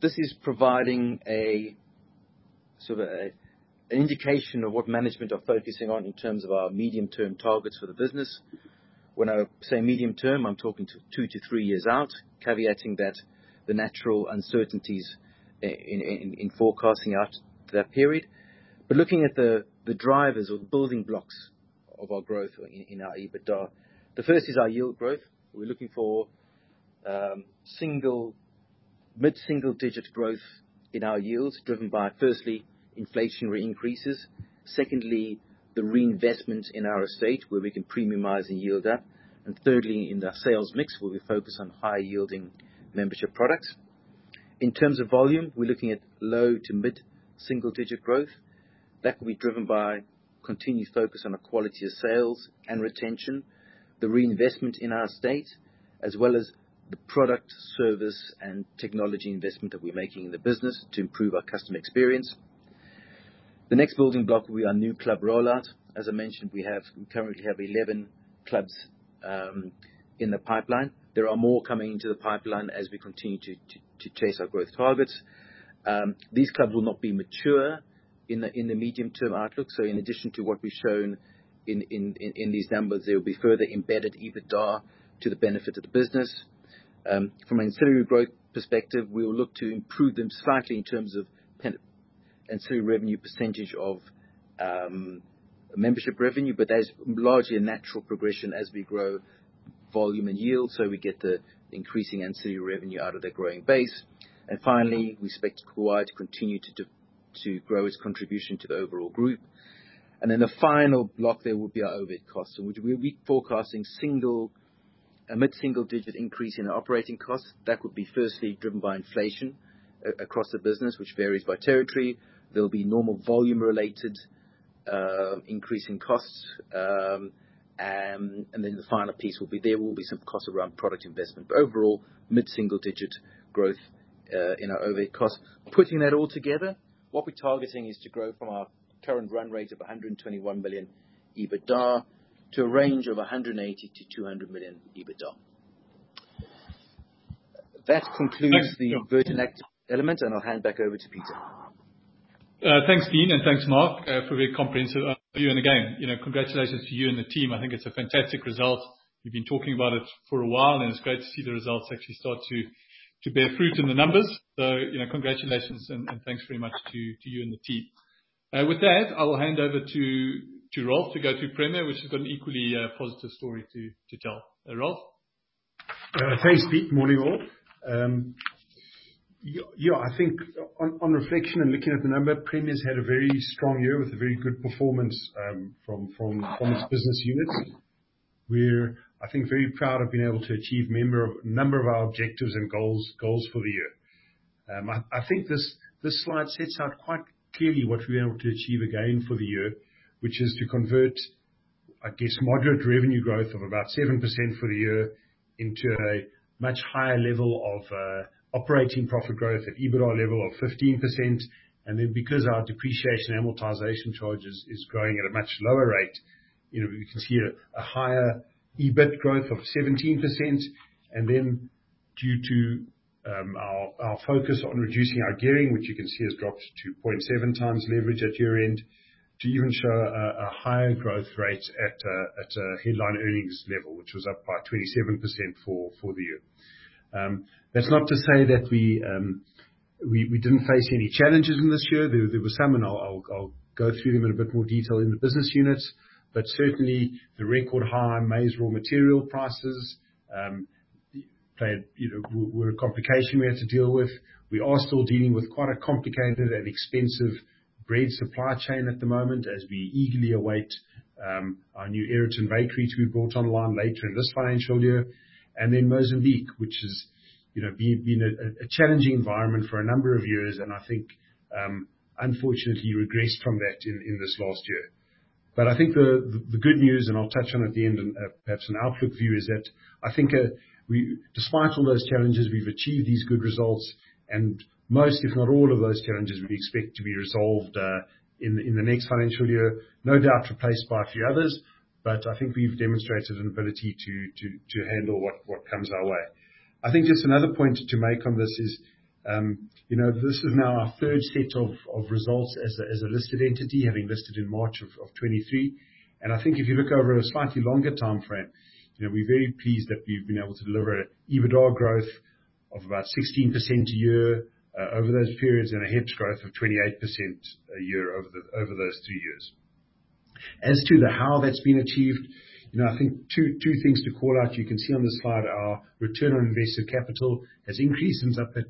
This is providing an indication of what management are focusing on in terms of our medium-term targets for the business. When I say medium-term, I'm talking two to three years out, caveating that the natural uncertainties in forecasting out that period. Looking at the drivers or the building blocks of our growth in our EBITDA, the first is our yield growth. We're looking for mid-single-digit growth in our yields, driven by, firstly, inflationary increases. Secondly, the reinvestment in our estate, where we can premiumize and yield up. Thirdly, in our sales mix, where we focus on high-yielding membership products. In terms of volume, we're looking at low to mid-single-digit growth. That could be driven by continued focus on the quality of sales and retention, the reinvestment in our estate, as well as the product, service, and technology investment that we're making in the business to improve our customer experience. The next building block will be our new club rollout. As I mentioned, we currently have 11 clubs in the pipeline. There are more coming into the pipeline as we continue to chase our growth targets. These clubs will not be mature in the medium-term outlook. In addition to what we've shown in these numbers, there will be further embedded EBITDA to the benefit of the business. From an ancillary growth perspective, we will look to improve them slightly in terms of ancillary revenue % of membership revenue, but that is largely a natural progression as we grow volume and yield, so we get the increasing ancillary revenue out of their growing base. Finally, we expect Kauai to continue to grow its contribution to the overall group. The final block there will be our overhead costs. We are forecasting a mid-single-digit increase in operating costs. That could be, firstly, driven by inflation across the business, which varies by territory. There'll be normal volume-related increase in costs. The final piece will be there will be some costs around product investment. Overall, mid-single-digit growth in our overhead costs. Putting that all together, what we're targeting is to grow from our current run rate of 121 million EBITDA to a range of 180-200 million EBITDA. That concludes the virtual activity element, and I'll hand back over to Peter. Thanks, Dean, and thanks, Mark, for a very comprehensive overview. Again, congratulations to you and the team. I think it's a fantastic result. We've been talking about it for a while, and it's great to see the results actually start to bear fruit in the numbers. Congratulations, and thanks very much to you and the team. With that, I will hand over to Ralph to go to Premier, which has got an equally positive story to tell. Ralph. Thanks, Pete. Morning, all. Yeah, I think on reflection and looking at the number, Premier's had a very strong year with a very good performance from its business units. We're, I think, very proud of being able to achieve a number of our objectives and goals for the year. I think this slide sets out quite clearly what we've been able to achieve again for the year, which is to convert, I guess, moderate revenue growth of about 7% for the year into a much higher level of operating profit growth at EBITDA level of 15%. And then because our depreciation amortization charges is growing at a much lower rate, you can see a higher EBIT growth of 17%. Due to our focus on reducing our gearing, which you can see has dropped to 0.7 times leverage at year-end, we were able to show a higher growth rate at headline earnings level, which was up by 27% for the year. That is not to say that we did not face any challenges in this year. There were some, and I will go through them in a bit more detail in the business units. Certainly, the record high maize raw material prices were a complication we had to deal with. We are still dealing with quite a complicated and expensive bread supply chain at the moment as we eagerly await our new Eritan bakery to be brought online later in this financial year. Mozambique, which has been a challenging environment for a number of years, unfortunately regressed from that in this last year. I think the good news, and I'll touch on it at the end, and perhaps an outlook view, is that I think despite all those challenges, we've achieved these good results. Most, if not all of those challenges, we expect to be resolved in the next financial year, no doubt replaced by a few others. I think we've demonstrated an ability to handle what comes our way. I think just another point to make on this is this is now our third set of results as a listed entity, having listed in March of 2023. I think if you look over a slightly longer time frame, we're very pleased that we've been able to deliver an EBITDA growth of about 16% a year over those periods and a hedge growth of 28% a year over those two years. As to how that's been achieved, I think two things to call out. You can see on this slide our return on invested capital has increased since up at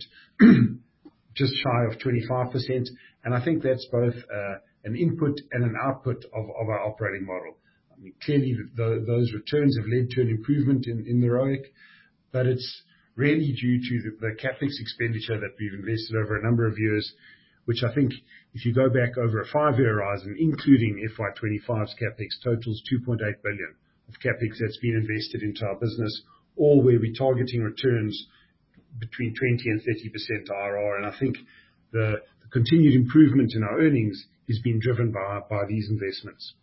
just shy of 25%. I think that's both an input and an output of our operating model. I mean, clearly, those returns have led to an improvement in the ROIC, but it's really due to the CapEx expenditure that we've invested over a number of years, which I think if you go back over a five-year horizon, including FY2025's CapEx totals, 2.8 billion of CapEx that's been invested into our business, all where we're targeting returns between 20-30% IRR. I think the continued improvement in our earnings has been driven by these investments.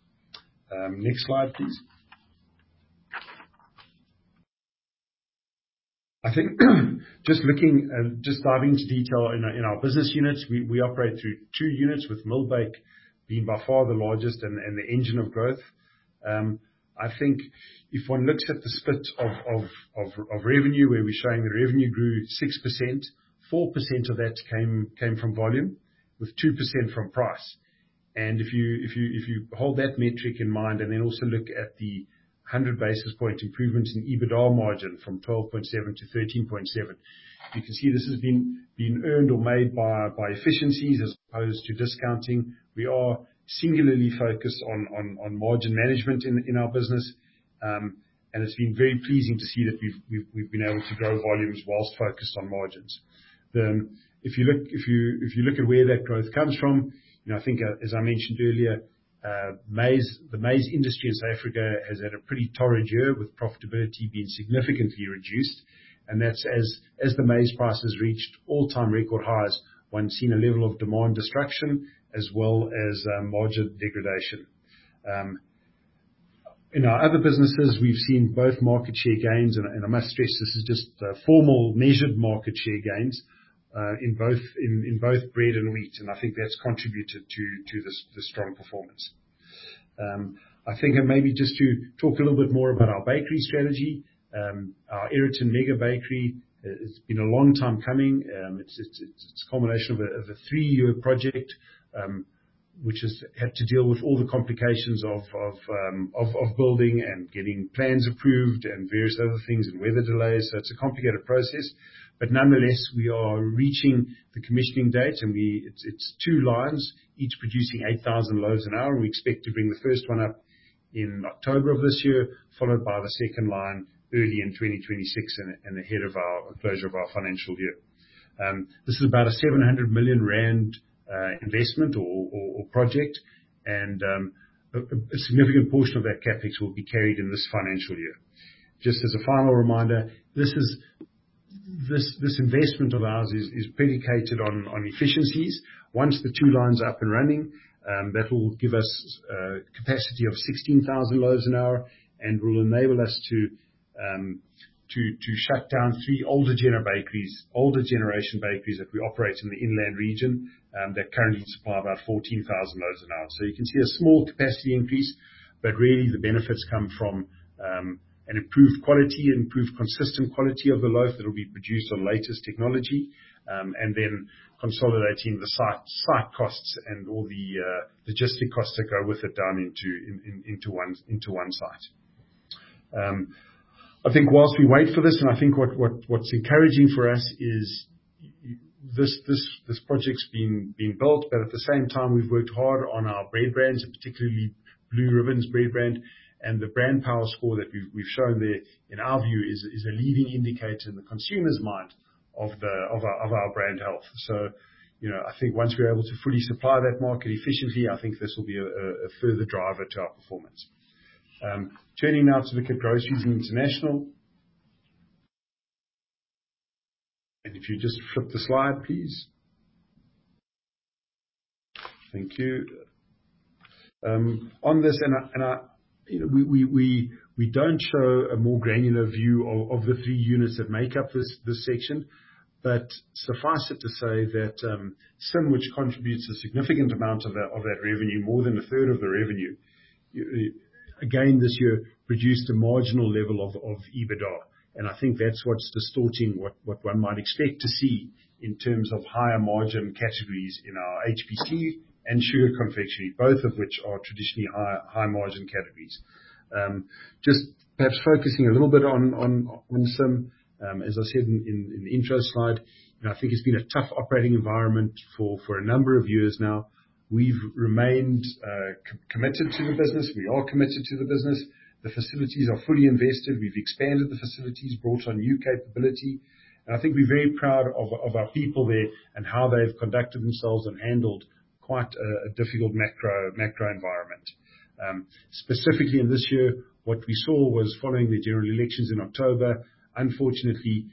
Next slide, please. I think just diving into detail in our business units, we operate through two units with Millbake being by far the largest and the engine of growth. I think if one looks at the split of revenue where we're showing that revenue grew 6%, 4% of that came from volume with 2% from price. If you hold that metric in mind and then also look at the 100 basis point improvements in EBITDA margin from 12.7% to 13.7%, you can see this has been earned or made by efficiencies as opposed to discounting. We are singularly focused on margin management in our business, and it's been very pleasing to see that we've been able to grow volumes whilst focused on margins. If you look at where that growth comes from, I think, as I mentioned earlier, the maize industry in South Africa has had a pretty torrid year with profitability being significantly reduced. That is as the maize prices reached all-time record highs, one has seen a level of demand destruction as well as margin degradation. In our other businesses, we've seen both market share gains, and I must stress this is just formal measured market share gains in both bread and wheat. I think that has contributed to the strong performance. I think maybe just to talk a little bit more about our bakery strategy. Our Eritan Mega Bakery has been a long time coming. It is a combination of a three-year project, which has had to deal with all the complications of building and getting plans approved and various other things and weather delays. It is a complicated process. Nonetheless, we are reaching the commissioning date, and it is two lines, each producing 8,000 loaves an hour. We expect to bring the first one up in October of this year, followed by the second line early in 2026 and ahead of the closure of our financial year. This is about a 700 million rand investment or project, and a significant portion of that CapEx will be carried in this financial year. Just as a final reminder, this investment of ours is predicated on efficiencies. Once the two lines are up and running, that will give us a capacity of 16,000 loaves an hour and will enable us to shut down three older generation bakeries that we operate in the inland region that currently supply about 14,000 loaves an hour. You can see a small capacity increase, but really the benefits come from an improved quality, improved consistent quality of the loaf that will be produced on latest technology, and then consolidating the site costs and all the logistic costs that go with it down into one site. I think whilst we wait for this, and I think what's encouraging for us is this project's been built, but at the same time, we've worked hard on our bread brands, particularly Blue Ribbon's bread brand. The brand power score that we've shown there, in our view, is a leading indicator in the consumer's mind of our brand health. I think once we're able to fully supply that market efficiently, I think this will be a further driver to our performance. Turning now to look at groceries and international. If you just flip the slide, please. Thank you. On this, we do not show a more granular view of the three units that make up this section, but suffice it to say that SIM, which contributes a significant amount of that revenue, more than a third of the revenue, again, this year produced a marginal level of EBITDA. I think that is what is distorting what one might expect to see in terms of higher margin categories in our HPC and sugar confectionery, both of which are traditionally high margin categories. Just perhaps focusing a little bit on SIM, as I said in the intro slide, I think it has been a tough operating environment for a number of years now. We have remained committed to the business. We are committed to the business. The facilities are fully invested. We have expanded the facilities, brought on new capability. I think we're very proud of our people there and how they've conducted themselves and handled quite a difficult macro environment. Specifically in this year, what we saw was following the general elections in October, unfortunately,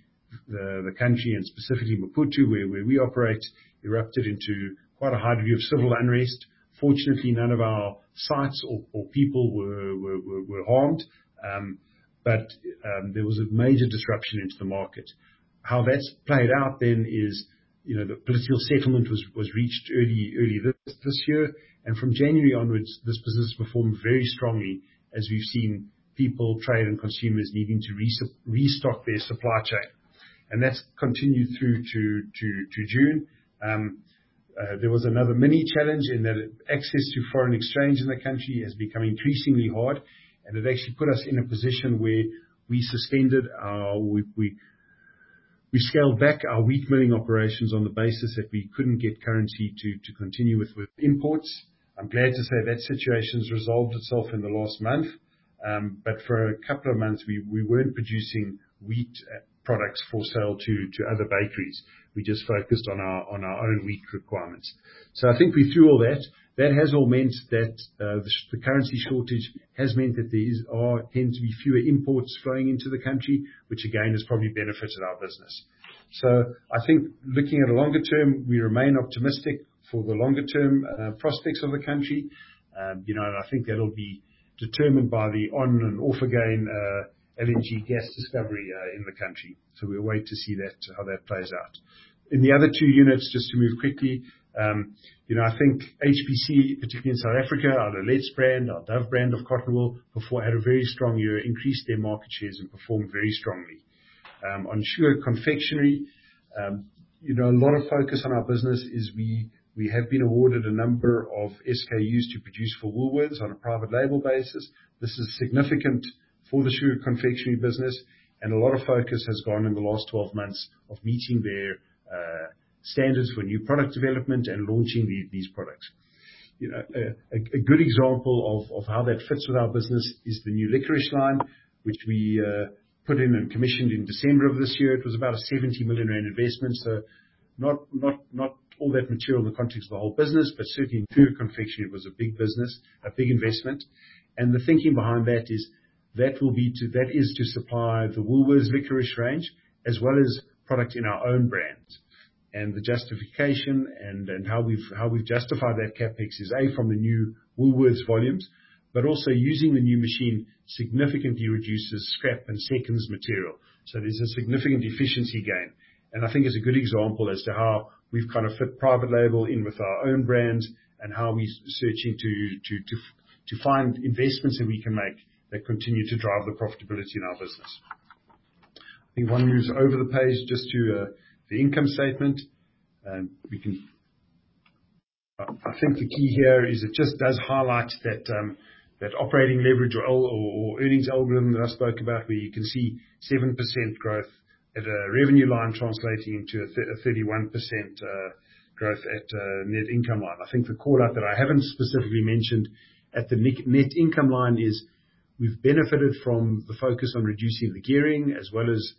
the country, and specifically Maputo, where we operate, erupted into quite a high degree of civil unrest. Fortunately, none of our sites or people were harmed, but there was a major disruption into the market. How that's played out then is the political settlement was reached early this year. From January onwards, this business performed very strongly as we've seen people, trade, and consumers needing to restock their supply chain. That's continued through to June. There was another mini challenge in that access to foreign exchange in the country has become increasingly hard. It actually put us in a position where we scaled back our wheat milling operations on the basis that we could not get currency to continue with imports. I am glad to say that situation has resolved itself in the last month. For a couple of months, we were not producing wheat products for sale to other bakeries. We just focused on our own wheat requirements. I think we threw all that. That has all meant that the currency shortage has meant that there tend to be fewer imports flowing into the country, which again has probably benefited our business. I think looking at a longer term, we remain optimistic for the longer-term prospects of the country. I think that will be determined by the on and off-again LNG gas discovery in the country. We will wait to see how that plays out. In the other two units, just to move quickly, I think HPC, particularly in South Africa, our Lets brand, our Dove brand of cotton wool, had a very strong year, increased their market shares, and performed very strongly. On sugar confectionery, a lot of focus on our business is we have been awarded a number of SKUs to produce for Woolworths on a private label basis. This is significant for the sugar confectionery business, and a lot of focus has gone in the last 12 months of meeting their standards for new product development and launching these products. A good example of how that fits with our business is the new licorice line, which we put in and commissioned in December of this year. It was about a 70 million rand investment, so not all that material in the context of the whole business, but certainly in sugar confectionery, it was a big business, a big investment. The thinking behind that is to supply the Woolworths licorice range as well as product in our own brands. The justification and how we've justified that CapEx is, A, from the new Woolworths volumes, but also using the new machine significantly reduces scrap and seconds material. There is a significant efficiency gain. I think it's a good example as to how we've kind of fit private label in with our own brands and how we search to find investments that we can make that continue to drive the profitability in our business. I think one moves over the page just to the income statement. I think the key here is it just does highlight that operating leverage or earnings algorithm that I spoke about, where you can see 7% growth at a revenue line translating into a 31% growth at a net income line. I think the callout that I have not specifically mentioned at the net income line is we have benefited from the focus on reducing the gearing as well as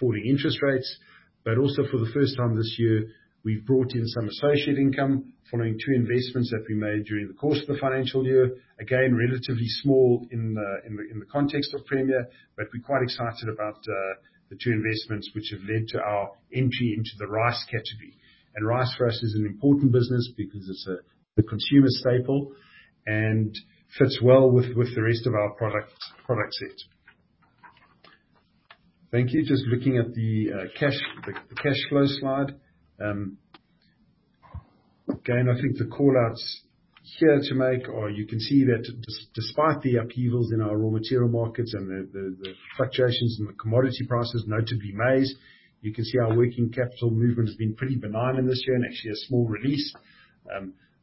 falling interest rates. Also, for the first time this year, we have brought in some associate income following two investments that we made during the course of the financial year. Again, relatively small in the context of Premier, but we are quite excited about the two investments which have led to our entry into the rice category. Rice for us is an important business because it is a consumer staple and fits well with the rest of our product set. Thank you. Just looking at the cash flow slide. Again, I think the callouts here to make are you can see that despite the upheavals in our raw material markets and the fluctuations in the commodity prices, notably maize, you can see our working capital movement has been pretty benign in this year and actually a small release.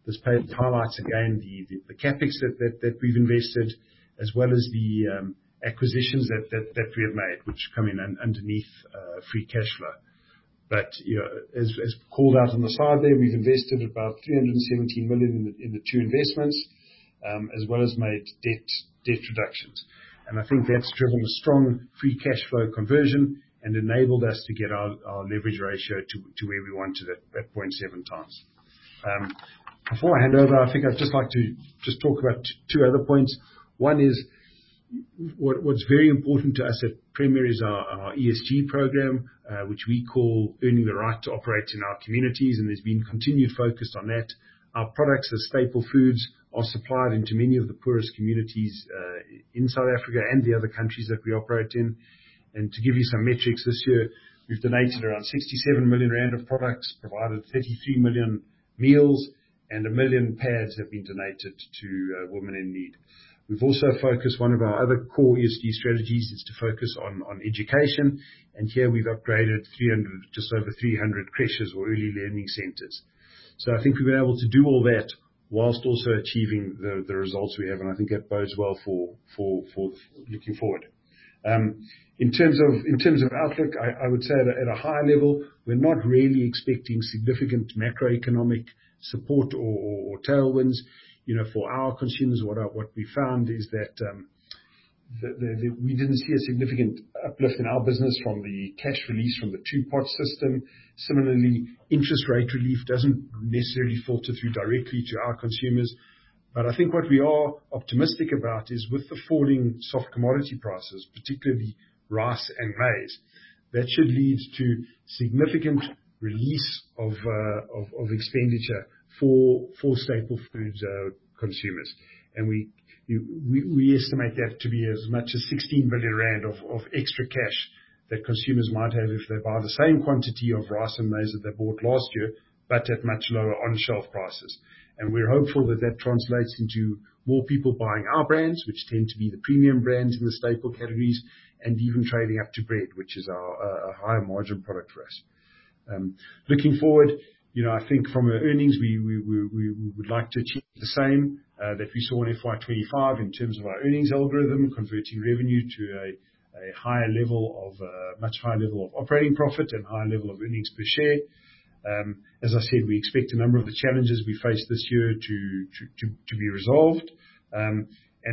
This highlights again the CapEx that we've invested as well as the acquisitions that we have made, which come in underneath free cash flow. As called out on the slide there, we've invested about 317 million in the two investments as well as made debt reductions. I think that's driven a strong free cash flow conversion and enabled us to get our leverage ratio to where we wanted at 0.7 times. Before I hand over, I think I'd just like to just talk about two other points. One is what's very important to us at Premier is our ESG program, which we call earning the right to operate in our communities, and there has been continued focus on that. Our products as staple foods are supplied into many of the poorest communities in South Africa and the other countries that we operate in. To give you some metrics this year, we have donated around 67 million rand of products, provided 33 million meals, and 1 million pads have been donated to women in need. We have also focused, one of our other core ESG strategies is to focus on education. Here we have upgraded just over 300 creches or early learning centers. I think we have been able to do all that whilst also achieving the results we have, and I think that bodes well for looking forward. In terms of outlook, I would say at a higher level, we're not really expecting significant macroeconomic support or tailwinds for our consumers. What we found is that we didn't see a significant uplift in our business from the cash release from the two-pot system. Similarly, interest rate relief doesn't necessarily filter through directly to our consumers. I think what we are optimistic about is with the falling soft commodity prices, particularly rice and maize, that should lead to significant release of expenditure for staple foods consumers. We estimate that to be as much as 16 billion rand of extra cash that consumers might have if they buy the same quantity of rice and maize that they bought last year, but at much lower on-shelf prices. We're hopeful that that translates into more people buying our brands, which tend to be the premium brands in the staple categories, and even trading up to bread, which is a higher margin product for us. Looking forward, I think from our earnings, we would like to achieve the same that we saw in 2025 in terms of our earnings algorithm, converting revenue to a much higher level of operating profit and higher level of earnings per share. As I said, we expect a number of the challenges we face this year to be resolved.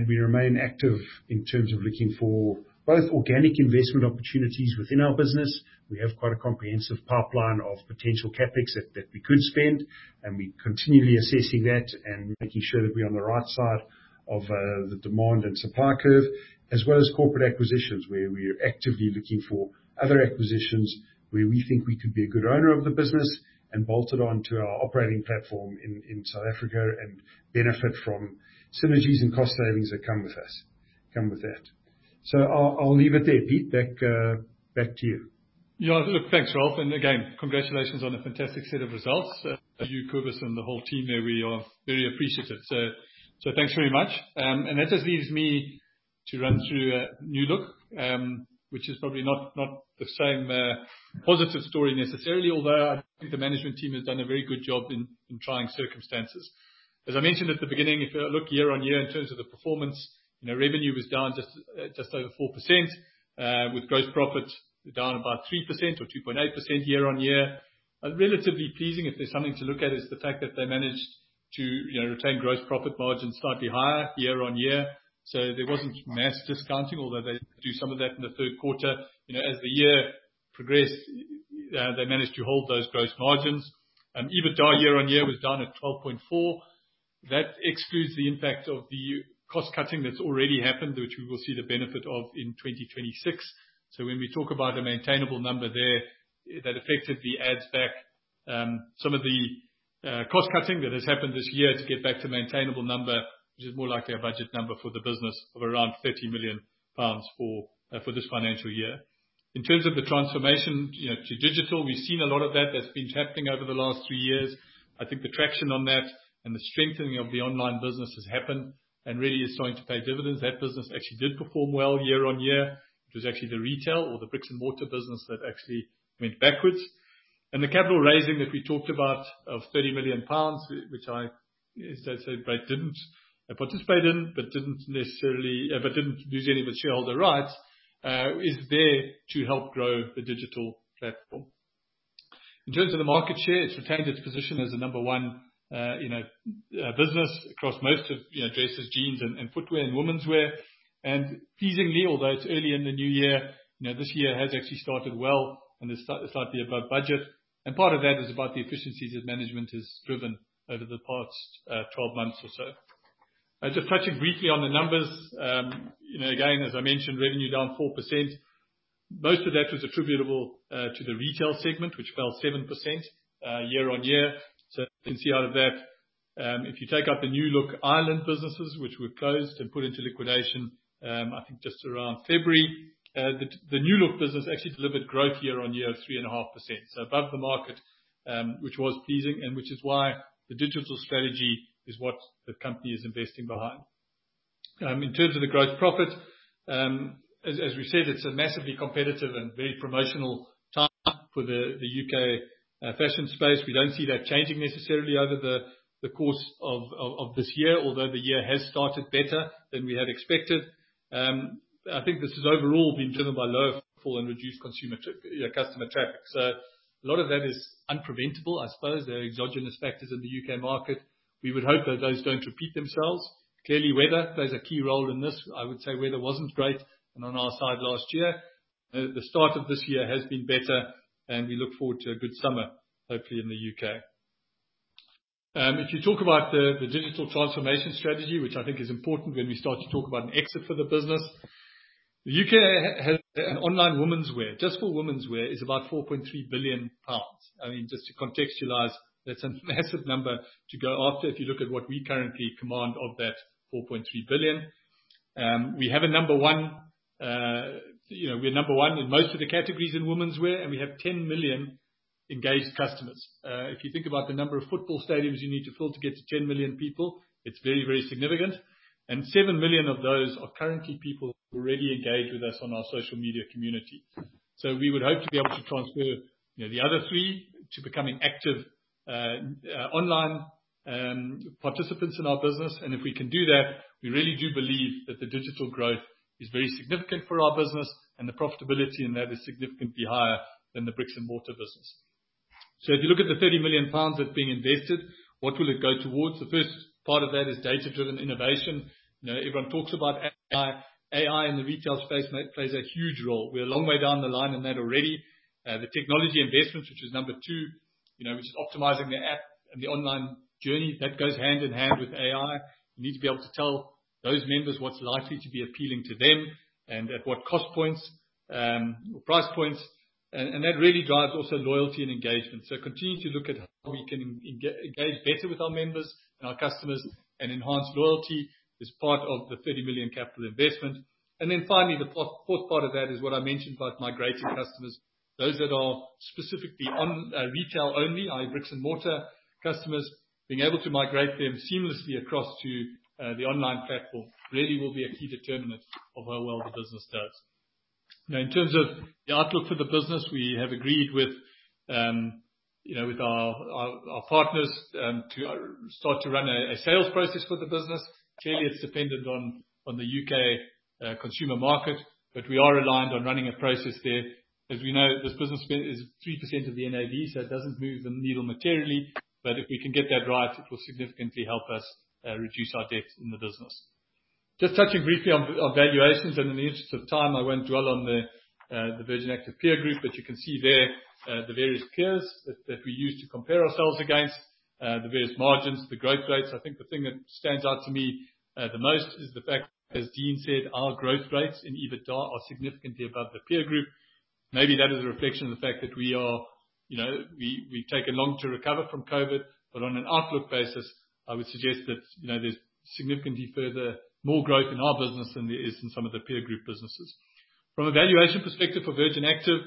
We remain active in terms of looking for both organic investment opportunities within our business. We have quite a comprehensive pipeline of potential CapEx that we could spend, and we're continually assessing that and making sure that we're on the right side of the demand and supply curve, as well as corporate acquisitions where we're actively looking for other acquisitions where we think we could be a good owner of the business and bolt it onto our operating platform in South Africa and benefit from synergies and cost savings that come with that. I'll leave it there, Pete. Back to you. Yeah, look, thanks, Ralph. And again, congratulations on a fantastic set of results. You, Kobus, and the whole team there. We are very appreciative. Thanks very much. That just leaves me to run through New Look, which is probably not the same positive story necessarily, although I think the management team has done a very good job in trying circumstances. As I mentioned at the beginning, if you look year on year in terms of the performance, revenue was down just over 4%. With gross profit, we're down about 3% or 2.8% year on year. Relatively pleasing, if there's something to look at, is the fact that they managed to retain gross profit margins slightly higher year on year. There wasn't mass discounting, although they do some of that in the third quarter. As the year progressed, they managed to hold those gross margins. EBITDA year on year was down at 12.4%. That excludes the impact of the cost cutting that's already happened, which we will see the benefit of in 2026. When we talk about a maintainable number there, that effectively adds back some of the cost cutting that has happened this year to get back to a maintainable number, which is more likely a budget number for the business of around 30 million pounds for this financial year. In terms of the transformation to digital, we have seen a lot of that. That has been happening over the last three years. I think the traction on that and the strengthening of the online business has happened and really is starting to pay dividends. That business actually did perform well year on year, which was actually the retail or the bricks and mortar business that actually went backwards. The capital raising that we talked about of 30 million pounds, which I said I did not participate in, but did not lose any of its shareholder rights, is there to help grow the digital platform. In terms of the market share, it has retained its position as the number one business across most of dresses, jeans, and footwear and women's wear. Pleasingly, although it is early in the new year, this year has actually started well and is slightly above budget. Part of that is about the efficiencies that management has driven over the past 12 months or so. Just touching briefly on the numbers. Again, as I mentioned, revenue down 4%. Most of that was attributable to the retail segment, which fell 7% year on year. You can see out of that, if you take out the New Look Ireland businesses, which were closed and put into liquidation, I think just around February, the New Look business actually delivered growth year on year of 3.5%. Above the market, which was pleasing, and which is why the digital strategy is what the company is investing behind. In terms of the gross profit, as we said, it's a massively competitive and very promotional time for the U.K. fashion space. We don't see that changing necessarily over the course of this year, although the year has started better than we had expected. I think this has overall been driven by low fall and reduced customer traffic. A lot of that is unpreventable, I suppose. There are exogenous factors in the U.K. market. We would hope that those don't repeat themselves. Clearly, weather plays a key role in this. I would say weather wasn't great on our side last year. The start of this year has been better, and we look forward to a good summer, hopefully in the U.K.. If you talk about the digital transformation strategy, which I think is important when we start to talk about an exit for the business, the U.K. has an online women's wear. Just for women's wear is about 4.3 billion pounds. I mean, just to contextualize, that's a massive number to go after if you look at what we currently command of that 4.3 billion. We have a number one, we're number one in most of the categories in women's wear, and we have 10 million engaged customers. If you think about the number of football stadiums you need to fill to get to 10 million people, it's very, very significant. And seven million of those are currently people who already engage with us on our social media community. We would hope to be able to transfer the other three to becoming active online participants in our business. If we can do that, we really do believe that the digital growth is very significant for our business, and the profitability in that is significantly higher than the bricks and mortar business. If you look at the 30 million pounds that is being invested, what will it go towards? The first part of that is data-driven innovation. Everyone talks about AI, and the retail space plays a huge role. We are a long way down the line in that already. The technology investments, which is number two, which is optimizing the app and the online journey, that goes hand in hand with AI. We need to be able to tell those members what is likely to be appealing to them and at what cost points or price points. That really drives also loyalty and engagement. We continue to look at how we can engage better with our members and our customers and enhance loyalty as part of the 30 million capital investment. Finally, the fourth part of that is what I mentioned about migrating customers, those that are specifically retail only, our bricks and mortar customers, being able to migrate them seamlessly across to the online platform really will be a key determinant of how well the business does. Now, in terms of the outlook for the business, we have agreed with our partners to start to run a sales process for the business. Clearly, it is dependent on the U.K. consumer market, but we are aligned on running a process there. As we know, this business is 3% of the NAV, so it does not move the needle materially. If we can get that right, it will significantly help us reduce our debt in the business. Just touching briefly on valuations, and in the interest of time, I won't dwell on the Virgin Active peer group, but you can see there the various peers that we use to compare ourselves against, the various margins, the growth rates. I think the thing that stands out to me the most is the fact that, as Dean said, our growth rates in EBITDA are significantly above the peer group. Maybe that is a reflection of the fact that we take a long time to recover from COVID, but on an outlook basis, I would suggest that there's significantly more growth in our business than there is in some of the peer group businesses. From a valuation perspective for Virgin Active,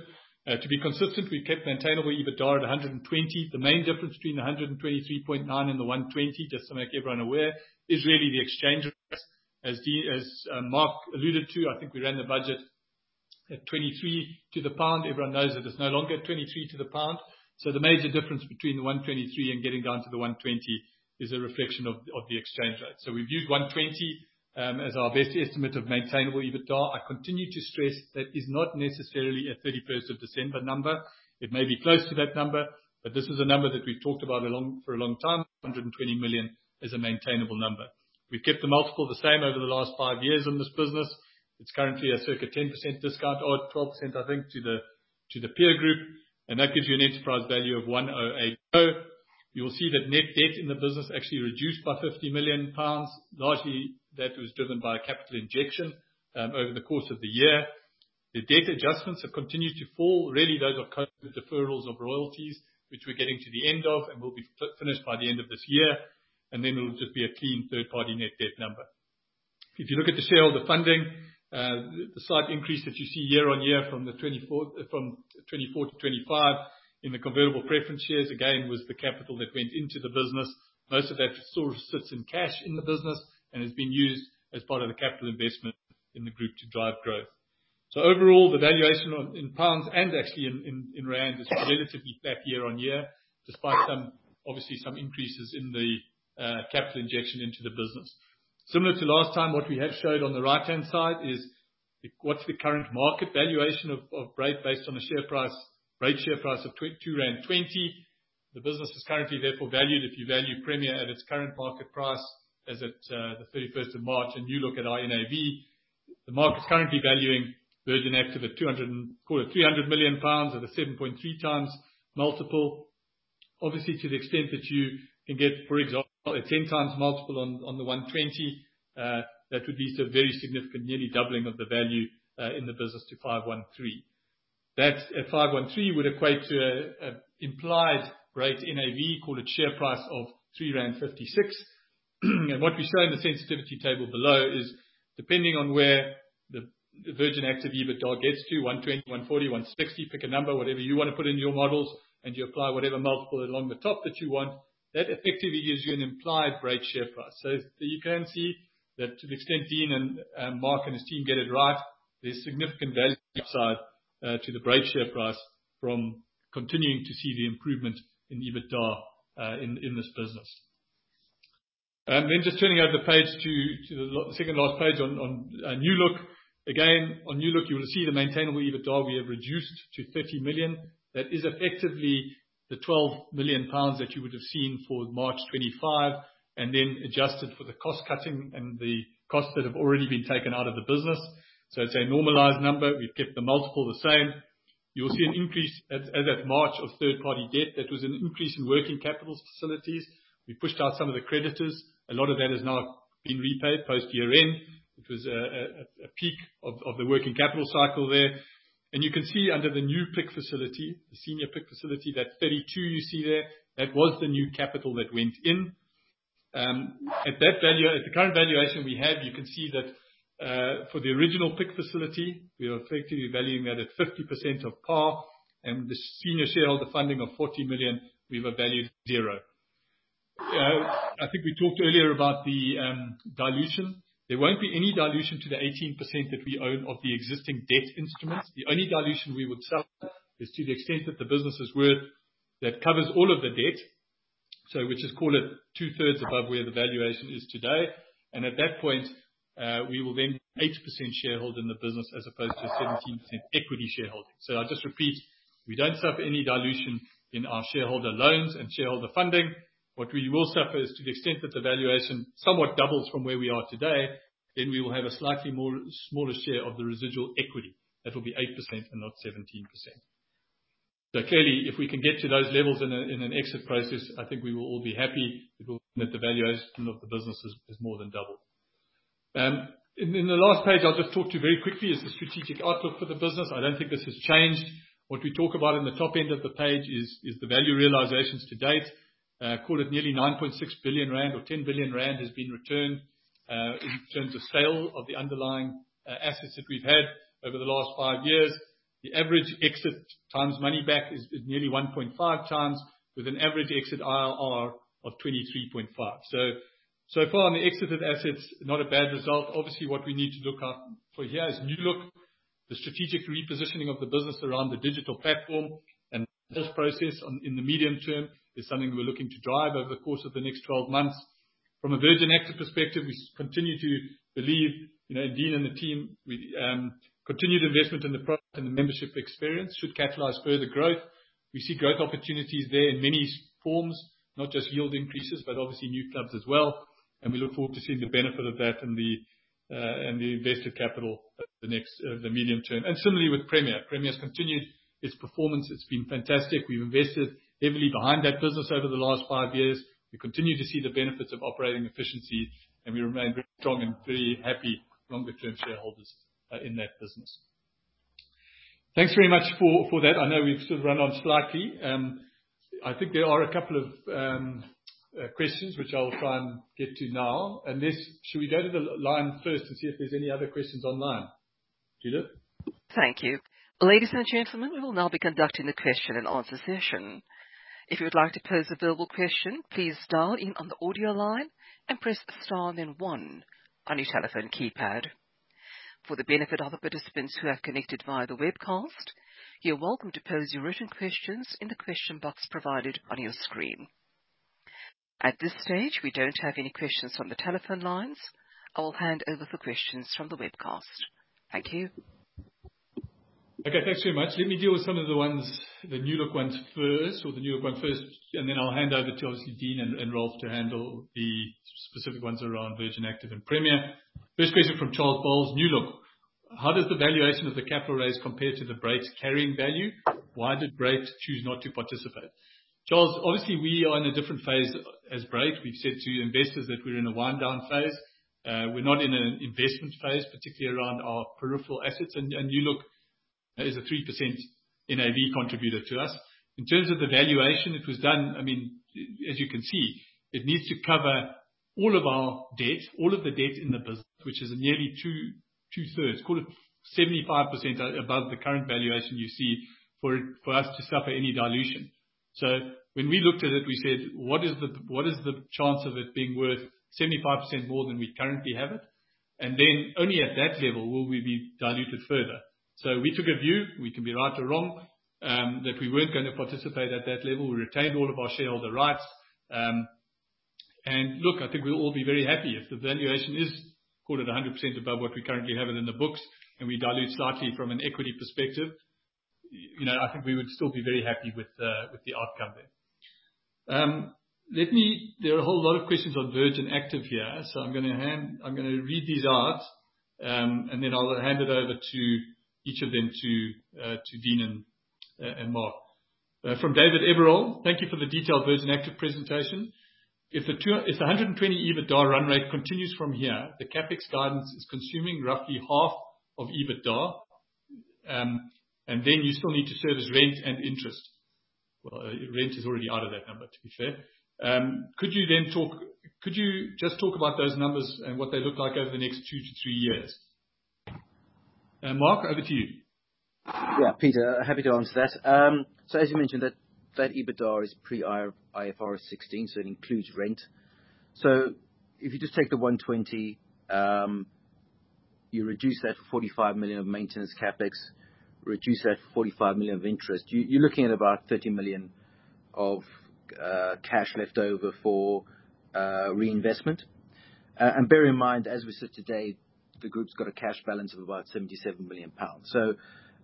to be consistent, we kept maintainable EBITDA at 120. The main difference between the 123.9 and the 120, just to make everyone aware, is really the exchange rate. As Mark alluded to, I think we ran the budget at 23 to the pound. Everyone knows that it is no longer 23 to the pound. The major difference between the 123 and getting down to the 120 is a reflection of the exchange rate. We have used 120 as our best estimate of maintainable EBITDA. I continue to stress that is not necessarily a 31st of December number. It may be close to that number, but this is a number that we have talked about for a long time. 120 million is a maintainable number. We have kept the multiple the same over the last five years in this business. It is currently a circa 10% discount or 12%, I think, to the peer group. That gives you an enterprise value of 108. You will see that net debt in the business actually reduced by 50 million pounds. Largely, that was driven by capital injection over the course of the year. The debt adjustments have continued to fall. Really, those are COVID deferrals of royalties, which we are getting to the end of and will be finished by the end of this year. It will just be a clean third-party net debt number. If you look at the shareholder funding, the slight increase that you see year on year from 24 to 25 in the convertible preference shares, again, was the capital that went into the business. Most of that still sits in cash in the business and has been used as part of the capital investment in the group to drive growth. Overall, the valuation in GBP and actually in ZAR is relatively flat year on year, despite obviously some increases in the capital injection into the business. Similar to last time, what we have showed on the right-hand side is what's the current market valuation of Brait based on a Brait share price of 22.20 rand. The business is currently, therefore, valued, if you value Premier at its current market price as of the 31st of March, and you look at our NAV, the market's currently valuing Virgin Active at 300 million pounds at a 7.3 times multiple. Obviously, to the extent that you can get, for example, a 10 times multiple on the 120, that would be a very significant nearly doubling of the value in the business to 513 million. That 513 million would equate to an implied Brait NAV, call it share price of 3.56 rand. What we show in the sensitivity table below is, depending on where the Virgin Active EBITDA gets to, 120, 140, 160, pick a number, whatever you want to put in your models, and you apply whatever multiple along the top that you want, that effectively gives you an implied Brait share price. You can see that to the extent Dean and Mark and his team get it right, there is significant value upside to the Brait share price from continuing to see the improvement in EBITDA in this business. Just turning over the page to the second last page on New Look. Again, on New Look, you will see the maintainable EBITDA we have reduced to 50 million. That is effectively the 12 million pounds that you would have seen for March 2025, and then adjusted for the cost cutting and the costs that have already been taken out of the business. It is a normalized number. We have kept the multiple the same. You will see an increase as of March of third-party debt. That was an increase in working capital facilities. We pushed out some of the creditors. A lot of that has now been repaid post year-end. It was a peak of the working capital cycle there. You can see under the new PIK facility, the senior PIK facility, that 32 million you see there, that was the new capital that went in. At the current valuation we have, you can see that for the original PIK facility, we are effectively valuing that at 50% of par. The senior shareholder funding of $40 million, we've evaluated zero. I think we talked earlier about the dilution. There won't be any dilution to the 18% that we own of the existing debt instruments. The only dilution we would see is to the extent that the business is worth that covers all of the debt, which is called at two-thirds above where the valuation is today. At that point, we will then have an 8% shareholder in the business as opposed to a 15% equity shareholding. I'll just repeat, we don't suffer any dilution in our shareholder loans and shareholder funding. What we will suffer is to the extent that the valuation somewhat doubles from where we are today, then we will have a slightly smaller share of the residual equity. That will be 8% and not 17%. Clearly, if we can get to those levels in an exit process, I think we will all be happy that the valuation of the business is more than doubled. In the last page, I'll just talk to you very quickly is the strategic outlook for the business. I don't think this has changed. What we talk about in the top end of the page is the value realizations to date. Call it nearly 9.6 billion rand or 10 billion rand has been returned in terms of sale of the underlying assets that we've had over the last five years. The average exit times money back is nearly 1.5 times with an average exit IRR of 23.5%. So far on the exited assets, not a bad result. Obviously, what we need to look out for here is New Look, the strategic repositioning of the business around the digital platform. This process in the medium term is something we're looking to drive over the course of the next 12 months. From a Virgin Active perspective, we continue to believe in Dean and the team. Continued investment in the product and the membership experience should catalyze further growth. We see growth opportunities there in many forms, not just yield increases, but obviously new clubs as well. We look forward to seeing the benefit of that and the invested capital over the medium term. Similarly with Premier. Premier has continued its performance. It's been fantastic. We've invested heavily behind that business over the last five years. We continue to see the benefits of operating efficiency, and we remain very strong and very happy longer-term shareholders in that business. Thanks very much for that. I know we've sort of run on slightly. I think there are a couple of questions which I'll try and get to now. Should we go to the line first and see if there's any other questions online? Judith? Thank you. Ladies and gentlemen, we will now be conducting the question and answer session. If you would like to pose a verbal question, please dial in on the audio line and press star and then one on your telephone keypad. For the benefit of the participants who have connected via the webcast, you're welcome to pose your written questions in the question box provided on your screen. At this stage, we don't have any questions from the telephone lines. I will hand over for questions from the webcast. Thank you. Okay, thanks very much. Let me deal with some of the ones, the New Look ones first, or the New Look one first, and then I'll hand over to obviously Dean and Ralph to handle the specific ones around Virgin Active and Premier. First question from Charles Bowles, New Look. How does the valuation of the capital raise compare to the Brait's carrying value? Why did Brait choose not to participate? Charles, obviously, we are in a different phase as Brait. We've said to investors that we're in a wind-down phase. We're not in an investment phase, particularly around our peripheral assets. And New Look is a 3% NAV contributor to us. In terms of the valuation, it was done, I mean, as you can see, it needs to cover all of our debt, all of the debt in the business, which is nearly two-thirds, call it 75% above the current valuation you see for us to suffer any dilution. When we looked at it, we said, what is the chance of it being worth 75% more than we currently have it? And then only at that level will we be diluted further. We took a view, we can be right or wrong, that we were not going to participate at that level. We retained all of our shareholder rights. I think we will all be very happy if the valuation is, call it 100% above what we currently have it in the books, and we dilute slightly from an equity perspective. I think we would still be very happy with the outcome there. There are a whole lot of questions on Virgin Active here. So I'm going to read these out, and then I'll hand it over to each of them to Dean and Mark. From David Abriol, thank you for the detailed Virgin Active presentation. If the 120 EBITDA run rate continues from here, the CapEx guidance is consuming roughly half of EBITDA, and then you still need to service rent and interest. Rent is already out of that number, to be fair. Could you just talk about those numbers and what they look like over the next two to three years? Mark, over to you. Yeah, Peter, happy to answer that. As you mentioned, that EBITDA is pre-IFRS 16, so it includes rent. If you just take the 120, you reduce that for 45 million of maintenance CapEx, reduce that for 45 million of interest. You're looking at about 30 million of cash left over for reinvestment. Bear in mind, as we sit today, the group's got a cash balance of about 77 million pounds.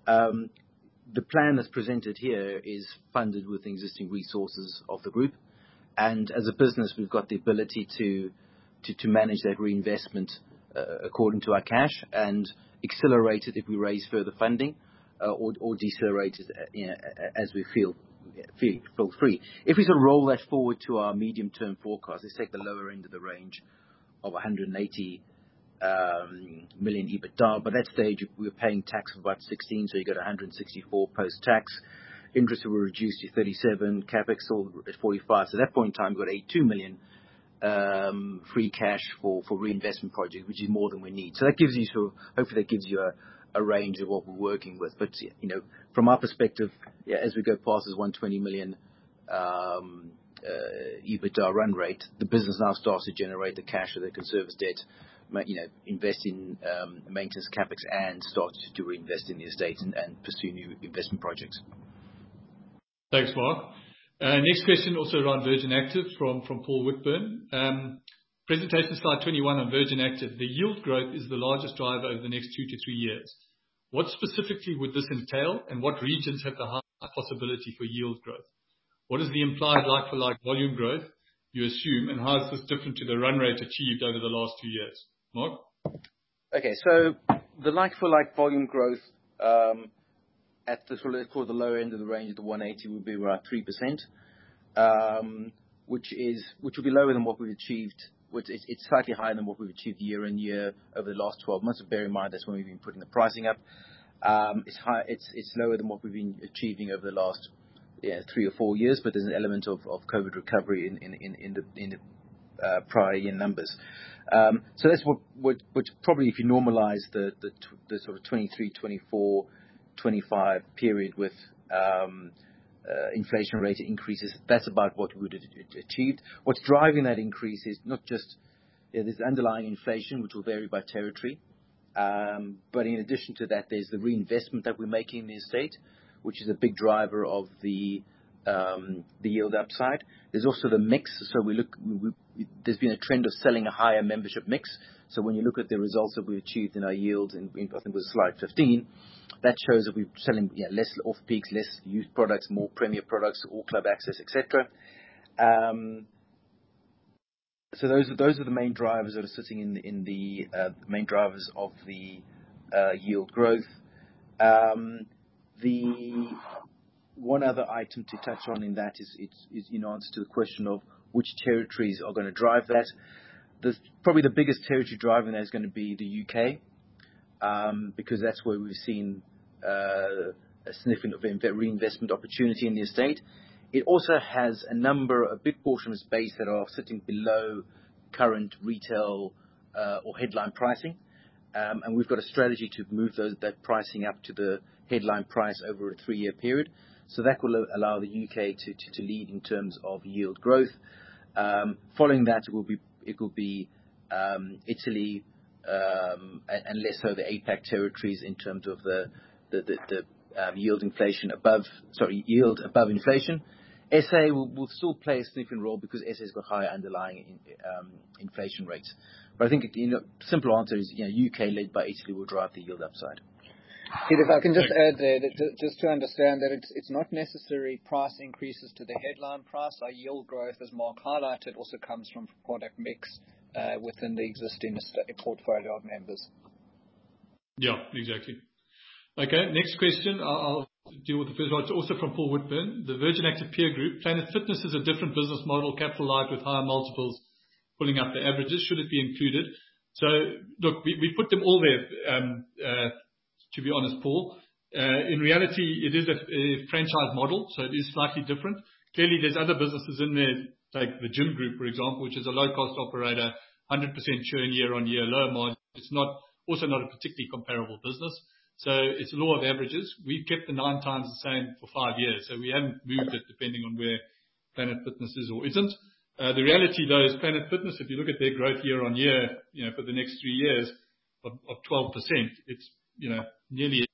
The plan that's presented here is funded with the existing resources of the group. As a business, we've got the ability to manage that reinvestment according to our cash and accelerate it if we raise further funding or decelerate it as we feel free. If we sort of roll that forward to our medium-term forecast, let's take the lower end of the range of 180 million EBITDA. By that stage, we're paying tax of about 16, so you get 164 post-tax. Interest will reduce to 37, CapEx all at 45. At that point in time, we've got 82 million free cash for reinvestment projects, which is more than we need. That gives you, so hopefully that gives you a range of what we're working with. From our perspective, as we go past this 120 million EBITDA run rate, the business now starts to generate the cash that they can service debt, invest in maintenance CapEx, and start to reinvest in the estate and pursue new investment projects. Thanks, Mark. Next question also around Virgin Active from Paul Whitburn. Presentation slide 21 on Virgin Active, the yield growth is the largest driver over the next two to three years. What specifically would this entail, and what regions have the highest possibility for yield growth? What is the implied like-for-like volume growth you assume, and how is this different to the run rate achieved over the last two years? Mark? Okay, so the like-for-like volume growth at the sort of, call it, the lower end of the range of the 180 would be around 3%, which would be lower than what we've achieved. It's slightly higher than what we've achieved year-on-year over the last 12 months. Bear in mind that's when we've been putting the pricing up. It's lower than what we've been achieving over the last three or four years, but there's an element of COVID recovery in the prior year numbers. That's what probably, if you normalize the sort of 2023, 2024, 2025 period with inflation rate increases, that's about what we would have achieved. What's driving that increase is not just this underlying inflation, which will vary by territory, but in addition to that, there's the reinvestment that we're making in the estate, which is a big driver of the yield upside. There's also the mix. There's been a trend of selling a higher membership mix. When you look at the results that we've achieved in our yields, I think it was slide 15, that shows that we're selling less off-peaks, less used products, more Premier products, all club access, etc. Those are the main drivers that are sitting in the main drivers of the yield growth. The one other item to touch on in that is in answer to the question of which territories are going to drive that. Probably the biggest territory driving that is going to be the U.K. because that's where we've seen a sniffing of reinvestment opportunity in the estate. It also has a number, a big portion of its base that are sitting below current retail or headline pricing. We have got a strategy to move that pricing up to the headline price over a three-year period. That will allow the U.K. to lead in terms of yield growth. Following that, it will be Italy and less so the APAC territories in terms of the yield above inflation. SA will still play a significant role because SA has got higher underlying inflation rates. I think the simple answer is U.K. led by Italy will drive the yield upside. Peter, if I can just add there, just to understand that it is not necessarily price increases to the headline price. Our yield growth, as Mark highlighted, also comes from product mix within the existing portfolio of members. Yeah, exactly. Okay, next question. I will deal with the first one. It is also from Paul Whitburn. The Virgin Active peer group planned its fitness as a different business model, capitalized with higher multiples, pulling out the averages. Should it be included? Look, we've put them all there, to be honest, Paul. In reality, it is a franchise model, so it is slightly different. Clearly, there's other businesses in there, like The Gym Group, for example, which is a low-cost operator, 100% churn year on year, low margin. It's also not a particularly comparable business. It's a law of averages. We've kept the nine times the same for five years. We haven't moved it depending on where Planet Fitness is or isn't. The reality, though, is Planet Fitness, if you look at their growth year on year for the next three years of 12%, it's nearly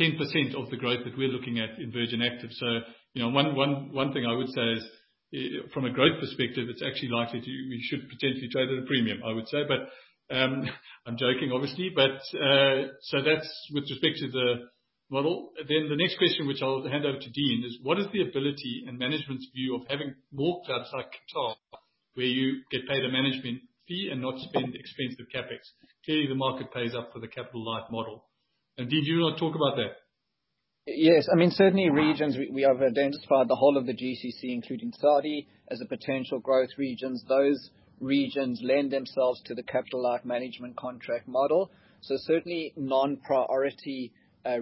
10% of the growth that we're looking at in Virgin Active. One thing I would say is from a growth perspective, it's actually likely to, we should potentially trade at a premium, I would say. I'm joking, obviously. That's with respect to the model. The next question, which I'll hand over to Dean, is what is the ability and management's view of having more clubs like Qatar where you get paid a management fee and not spend expensive CapEx? Clearly, the market pays up for the capital-light model. Dean, do you want to talk about that? Yes. I mean, certainly regions, we have identified the whole of the GCC, including Saudi, as potential growth regions. Those regions lend themselves to the capital-light management contract model. Certainly, non-priority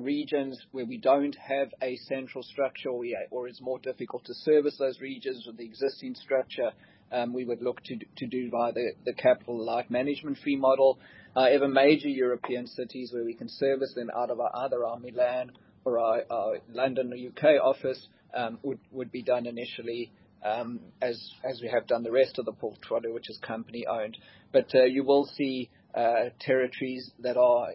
regions where we do not have a central structure or it is more difficult to service those regions with the existing structure, we would look to do via the capital-light management fee model. If a major European city is where we can service them out of our other army land or our London or U.K. office, it would be done initially as we have done the rest of the portfolio, which is company-owned. You will see territories that are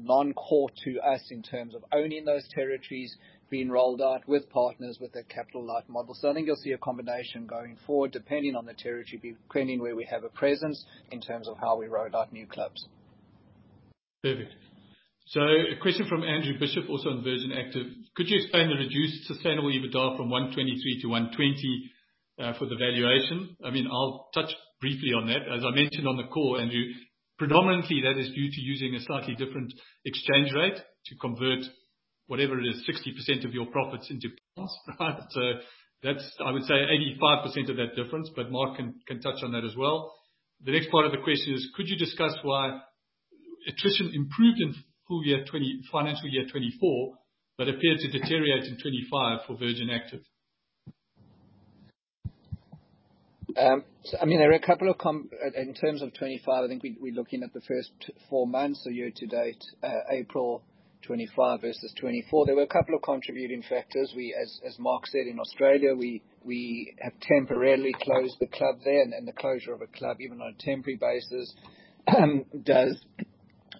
non-core to us in terms of owning those territories being rolled out with partners with a capital-light model. I think you will see a combination going forward depending on the territory, depending where we have a presence in terms of how we roll out new clubs. Perfect. A question from Andrew Bishop, also in Virgin Active. Could you explain the reduced sustainable EBITDA from 123 to 120 for the valuation? I mean, I'll touch briefly on that. As I mentioned on the call, Andrew, predominantly that is due to using a slightly different exchange rate to convert whatever it is, 60% of your profits into pounds, right? So that's, I would say, 85% of that difference, but Mark can touch on that as well. The next part of the question is, could you discuss why attrition improved in financial year 2024 but appeared to deteriorate in 2025 for Virgin Active? I mean, there are a couple of, in terms of 2025, I think we're looking at the first four months year to date, April 2025 versus 2024. There were a couple of contributing factors. As Mark said, in Australia, we have temporarily closed the club there, and the closure of a club, even on a temporary basis, does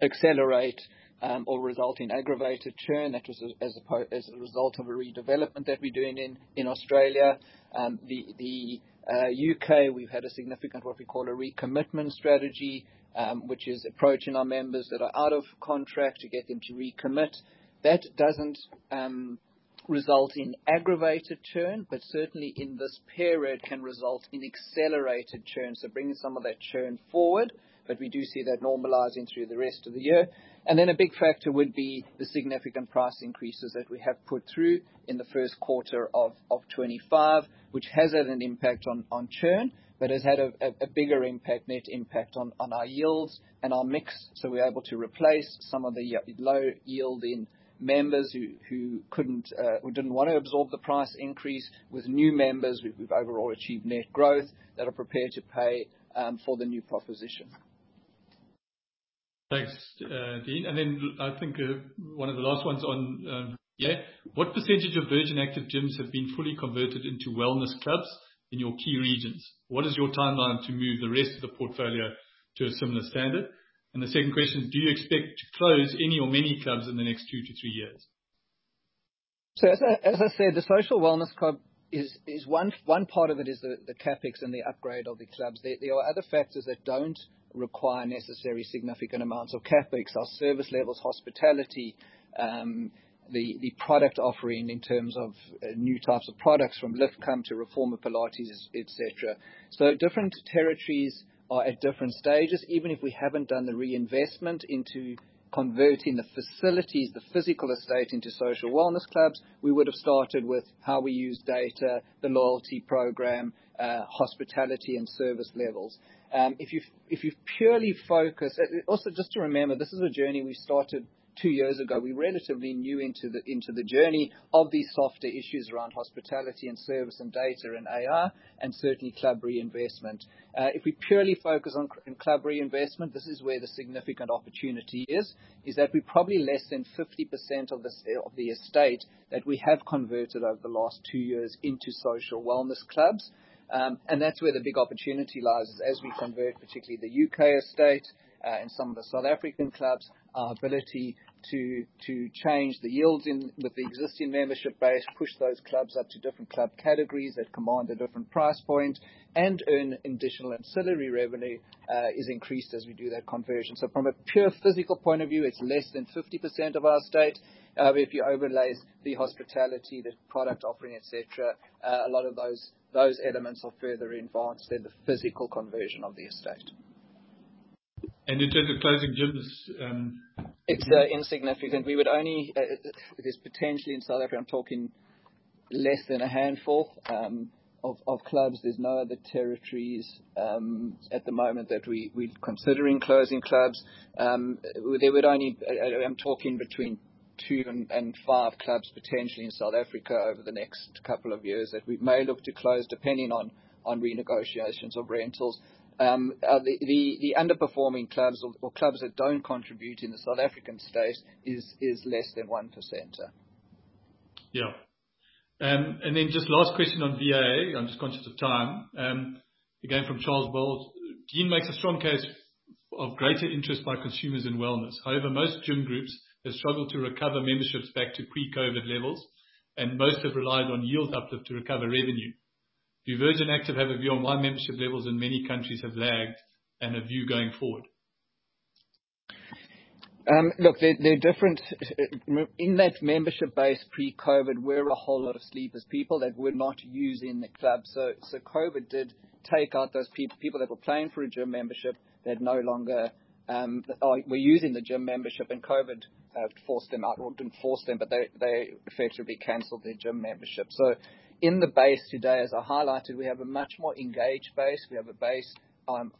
accelerate or result in aggravated churn. That was as a result of a redevelopment that we are doing in Australia. The U.K., we have had a significant, what we call a recommitment strategy, which is approaching our members that are out of contract to get them to recommit. That does not result in aggravated churn, but certainly in this period can result in accelerated churn. Bringing some of that churn forward, we do see that normalizing through the rest of the year. A big factor would be the significant price increases that we have put through in the first quarter of 2025, which has had an impact on churn, but has had a bigger net impact on our yields and our mix. We're able to replace some of the low-yielding members who didn't want to absorb the price increase with new members. We've overall achieved net growth that are prepared to pay for the new proposition. Thanks, Dean. I think one of the last ones on. Yeah. What % of Virgin Active gyms have been fully converted into wellness clubs in your key regions? What is your timeline to move the rest of the portfolio to a similar standard? The second question is, do you expect to close any or many clubs in the next two to three years? As I said, the social wellness club is one part of it. It is the CapEx and the upgrade of the clubs. There are other factors that don't require necessary significant amounts of CapEx. Our service levels, hospitality, the product offering in terms of new types of products from LiftCum to Reformer Pilates, etc. Different territories are at different stages. Even if we have not done the reinvestment into converting the facilities, the physical estate into social wellness clubs, we would have started with how we use data, the loyalty program, hospitality, and service levels. If you purely focus, also just to remember, this is a journey we started two years ago. We were relatively new into the journey of these softer issues around hospitality and service and data and AR and certainly club reinvestment. If we purely focus on club reinvestment, this is where the significant opportunity is, is that we are probably less than 50% of the estate that we have converted over the last two years into social wellness clubs. That is where the big opportunity lies as we convert, particularly the U.K. estate and some of the South African clubs, our ability to change the yields with the existing membership base, push those clubs up to different club categories that combine a different price point and earn additional ancillary revenue is increased as we do that conversion. From a pure physical point of view, it is less than 50% of our estate. If you overlay the hospitality, the product offering, etc., a lot of those elements are further advanced than the physical conversion of the estate. In terms of closing gyms? It is insignificant. We would only, there is potentially in South Africa, I am talking less than a handful of clubs. There are no other territories at the moment that we are considering closing clubs. There would only, I'm talking between two and five clubs potentially in South Africa over the next couple of years that we may look to close depending on renegotiations of rentals. The underperforming clubs or clubs that do not contribute in the South African state is less than 1%. Yeah. Just last question on VA. I'm just conscious of time. Again from Charles. Dean makes a strong case of greater interest by consumers in wellness. However, most gym groups have struggled to recover memberships back to pre-COVID levels, and most have relied on yield uplift to recover revenue. Do Virgin Active have a view on why membership levels in many countries have lagged and a view going forward? Look, they are different. In that membership base pre-COVID, we are a whole lot of sleepers, people that were not using the club. COVID did take out those people that were paying for a gym membership that no longer were using the gym membership, and COVID forced them out or did not force them, but they effectively canceled their gym membership. In the base today, as I highlighted, we have a much more engaged base. We have a base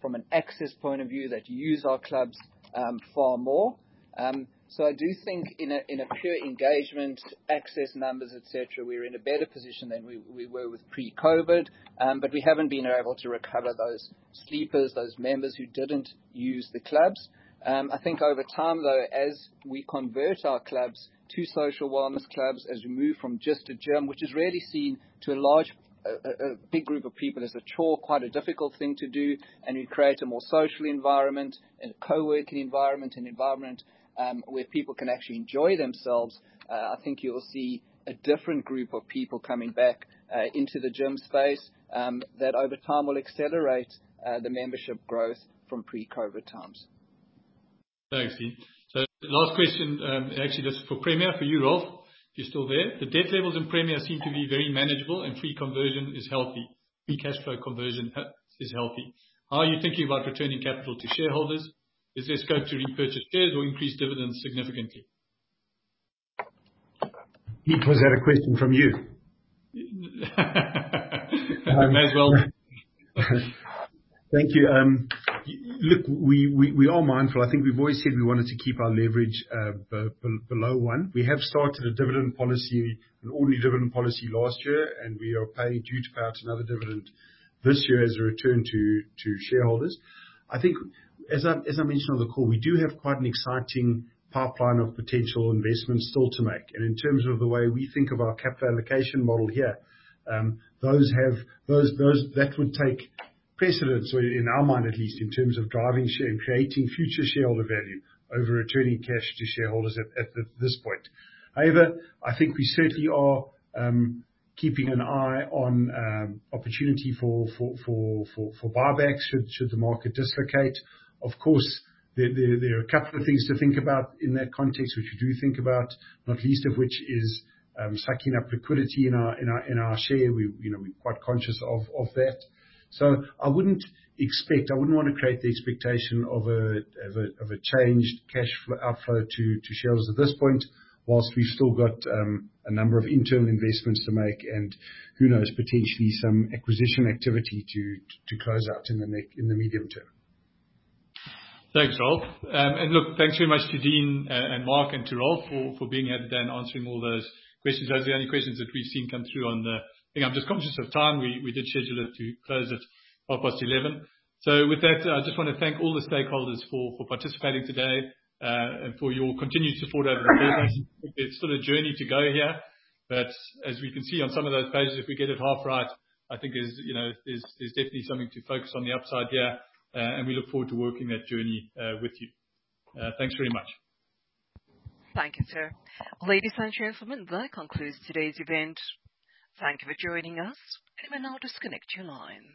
from an access point of view that use our clubs far more. I do think in pure engagement, access numbers, etc., we are in a better position than we were pre-COVID, but we have not been able to recover those sleepers, those members who did not use the clubs. I think over time, though, as we convert our clubs to social wellness clubs, as we move from just a gym, which is rarely seen to a large big group of people as a chore, quite a difficult thing to do, and we create a more social environment, a coworking environment, an environment where people can actually enjoy themselves, I think you'll see a different group of people coming back into the gym space that over time will accelerate the membership growth from pre-COVID times. Thanks, Dean. Last question, actually that's for Premier for you, Ralph, if you're still there. The debt levels in Premier seem to be very manageable and free cash flow conversion is healthy. Are you thinking about returning capital to shareholders? Is there scope to repurchase shares or increase dividends significantly? Peter has had a question from you. May as well. Thank you. Look, we are mindful. I think we've always said we wanted to keep our leverage below one. We have started a dividend policy, an ordinary dividend policy last year, and we are paying due to pay out another dividend this year as a return to shareholders. I think, as I mentioned on the call, we do have quite an exciting pipeline of potential investments still to make. In terms of the way we think of our capital allocation model here, that would take precedence, in our mind at least, in terms of driving share and creating future shareholder value over returning cash to shareholders at this point. However, I think we certainly are keeping an eye on opportunity for buybacks should the market dislocate. Of course, there are a couple of things to think about in that context, which we do think about, not least of which is sucking up liquidity in our share. We're quite conscious of that. I wouldn't expect, I wouldn't want to create the expectation of a changed cash outflow to shareholders at this point whilst we've still got a number of internal investments to make and who knows, potentially some acquisition activity to close out in the medium term. Thanks, Rolf. Thanks very much to Dean and Mark and to Rolf for being here today and answering all those questions. Those are the only questions that we've seen come through on the, I think I'm just conscious of time. We did schedule it to close at 11:30. With that, I just want to thank all the stakeholders for participating today and for your continued support over the phone post. It's still a journey to go here. As we can see on some of those pages, if we get it half right, I think there's definitely something to focus on the upside here. We look forward to working that journey with you. Thanks very much. Thank you, sir. Ladies and gentlemen, that concludes today's event. Thank you for joining us. You may now disconnect your line.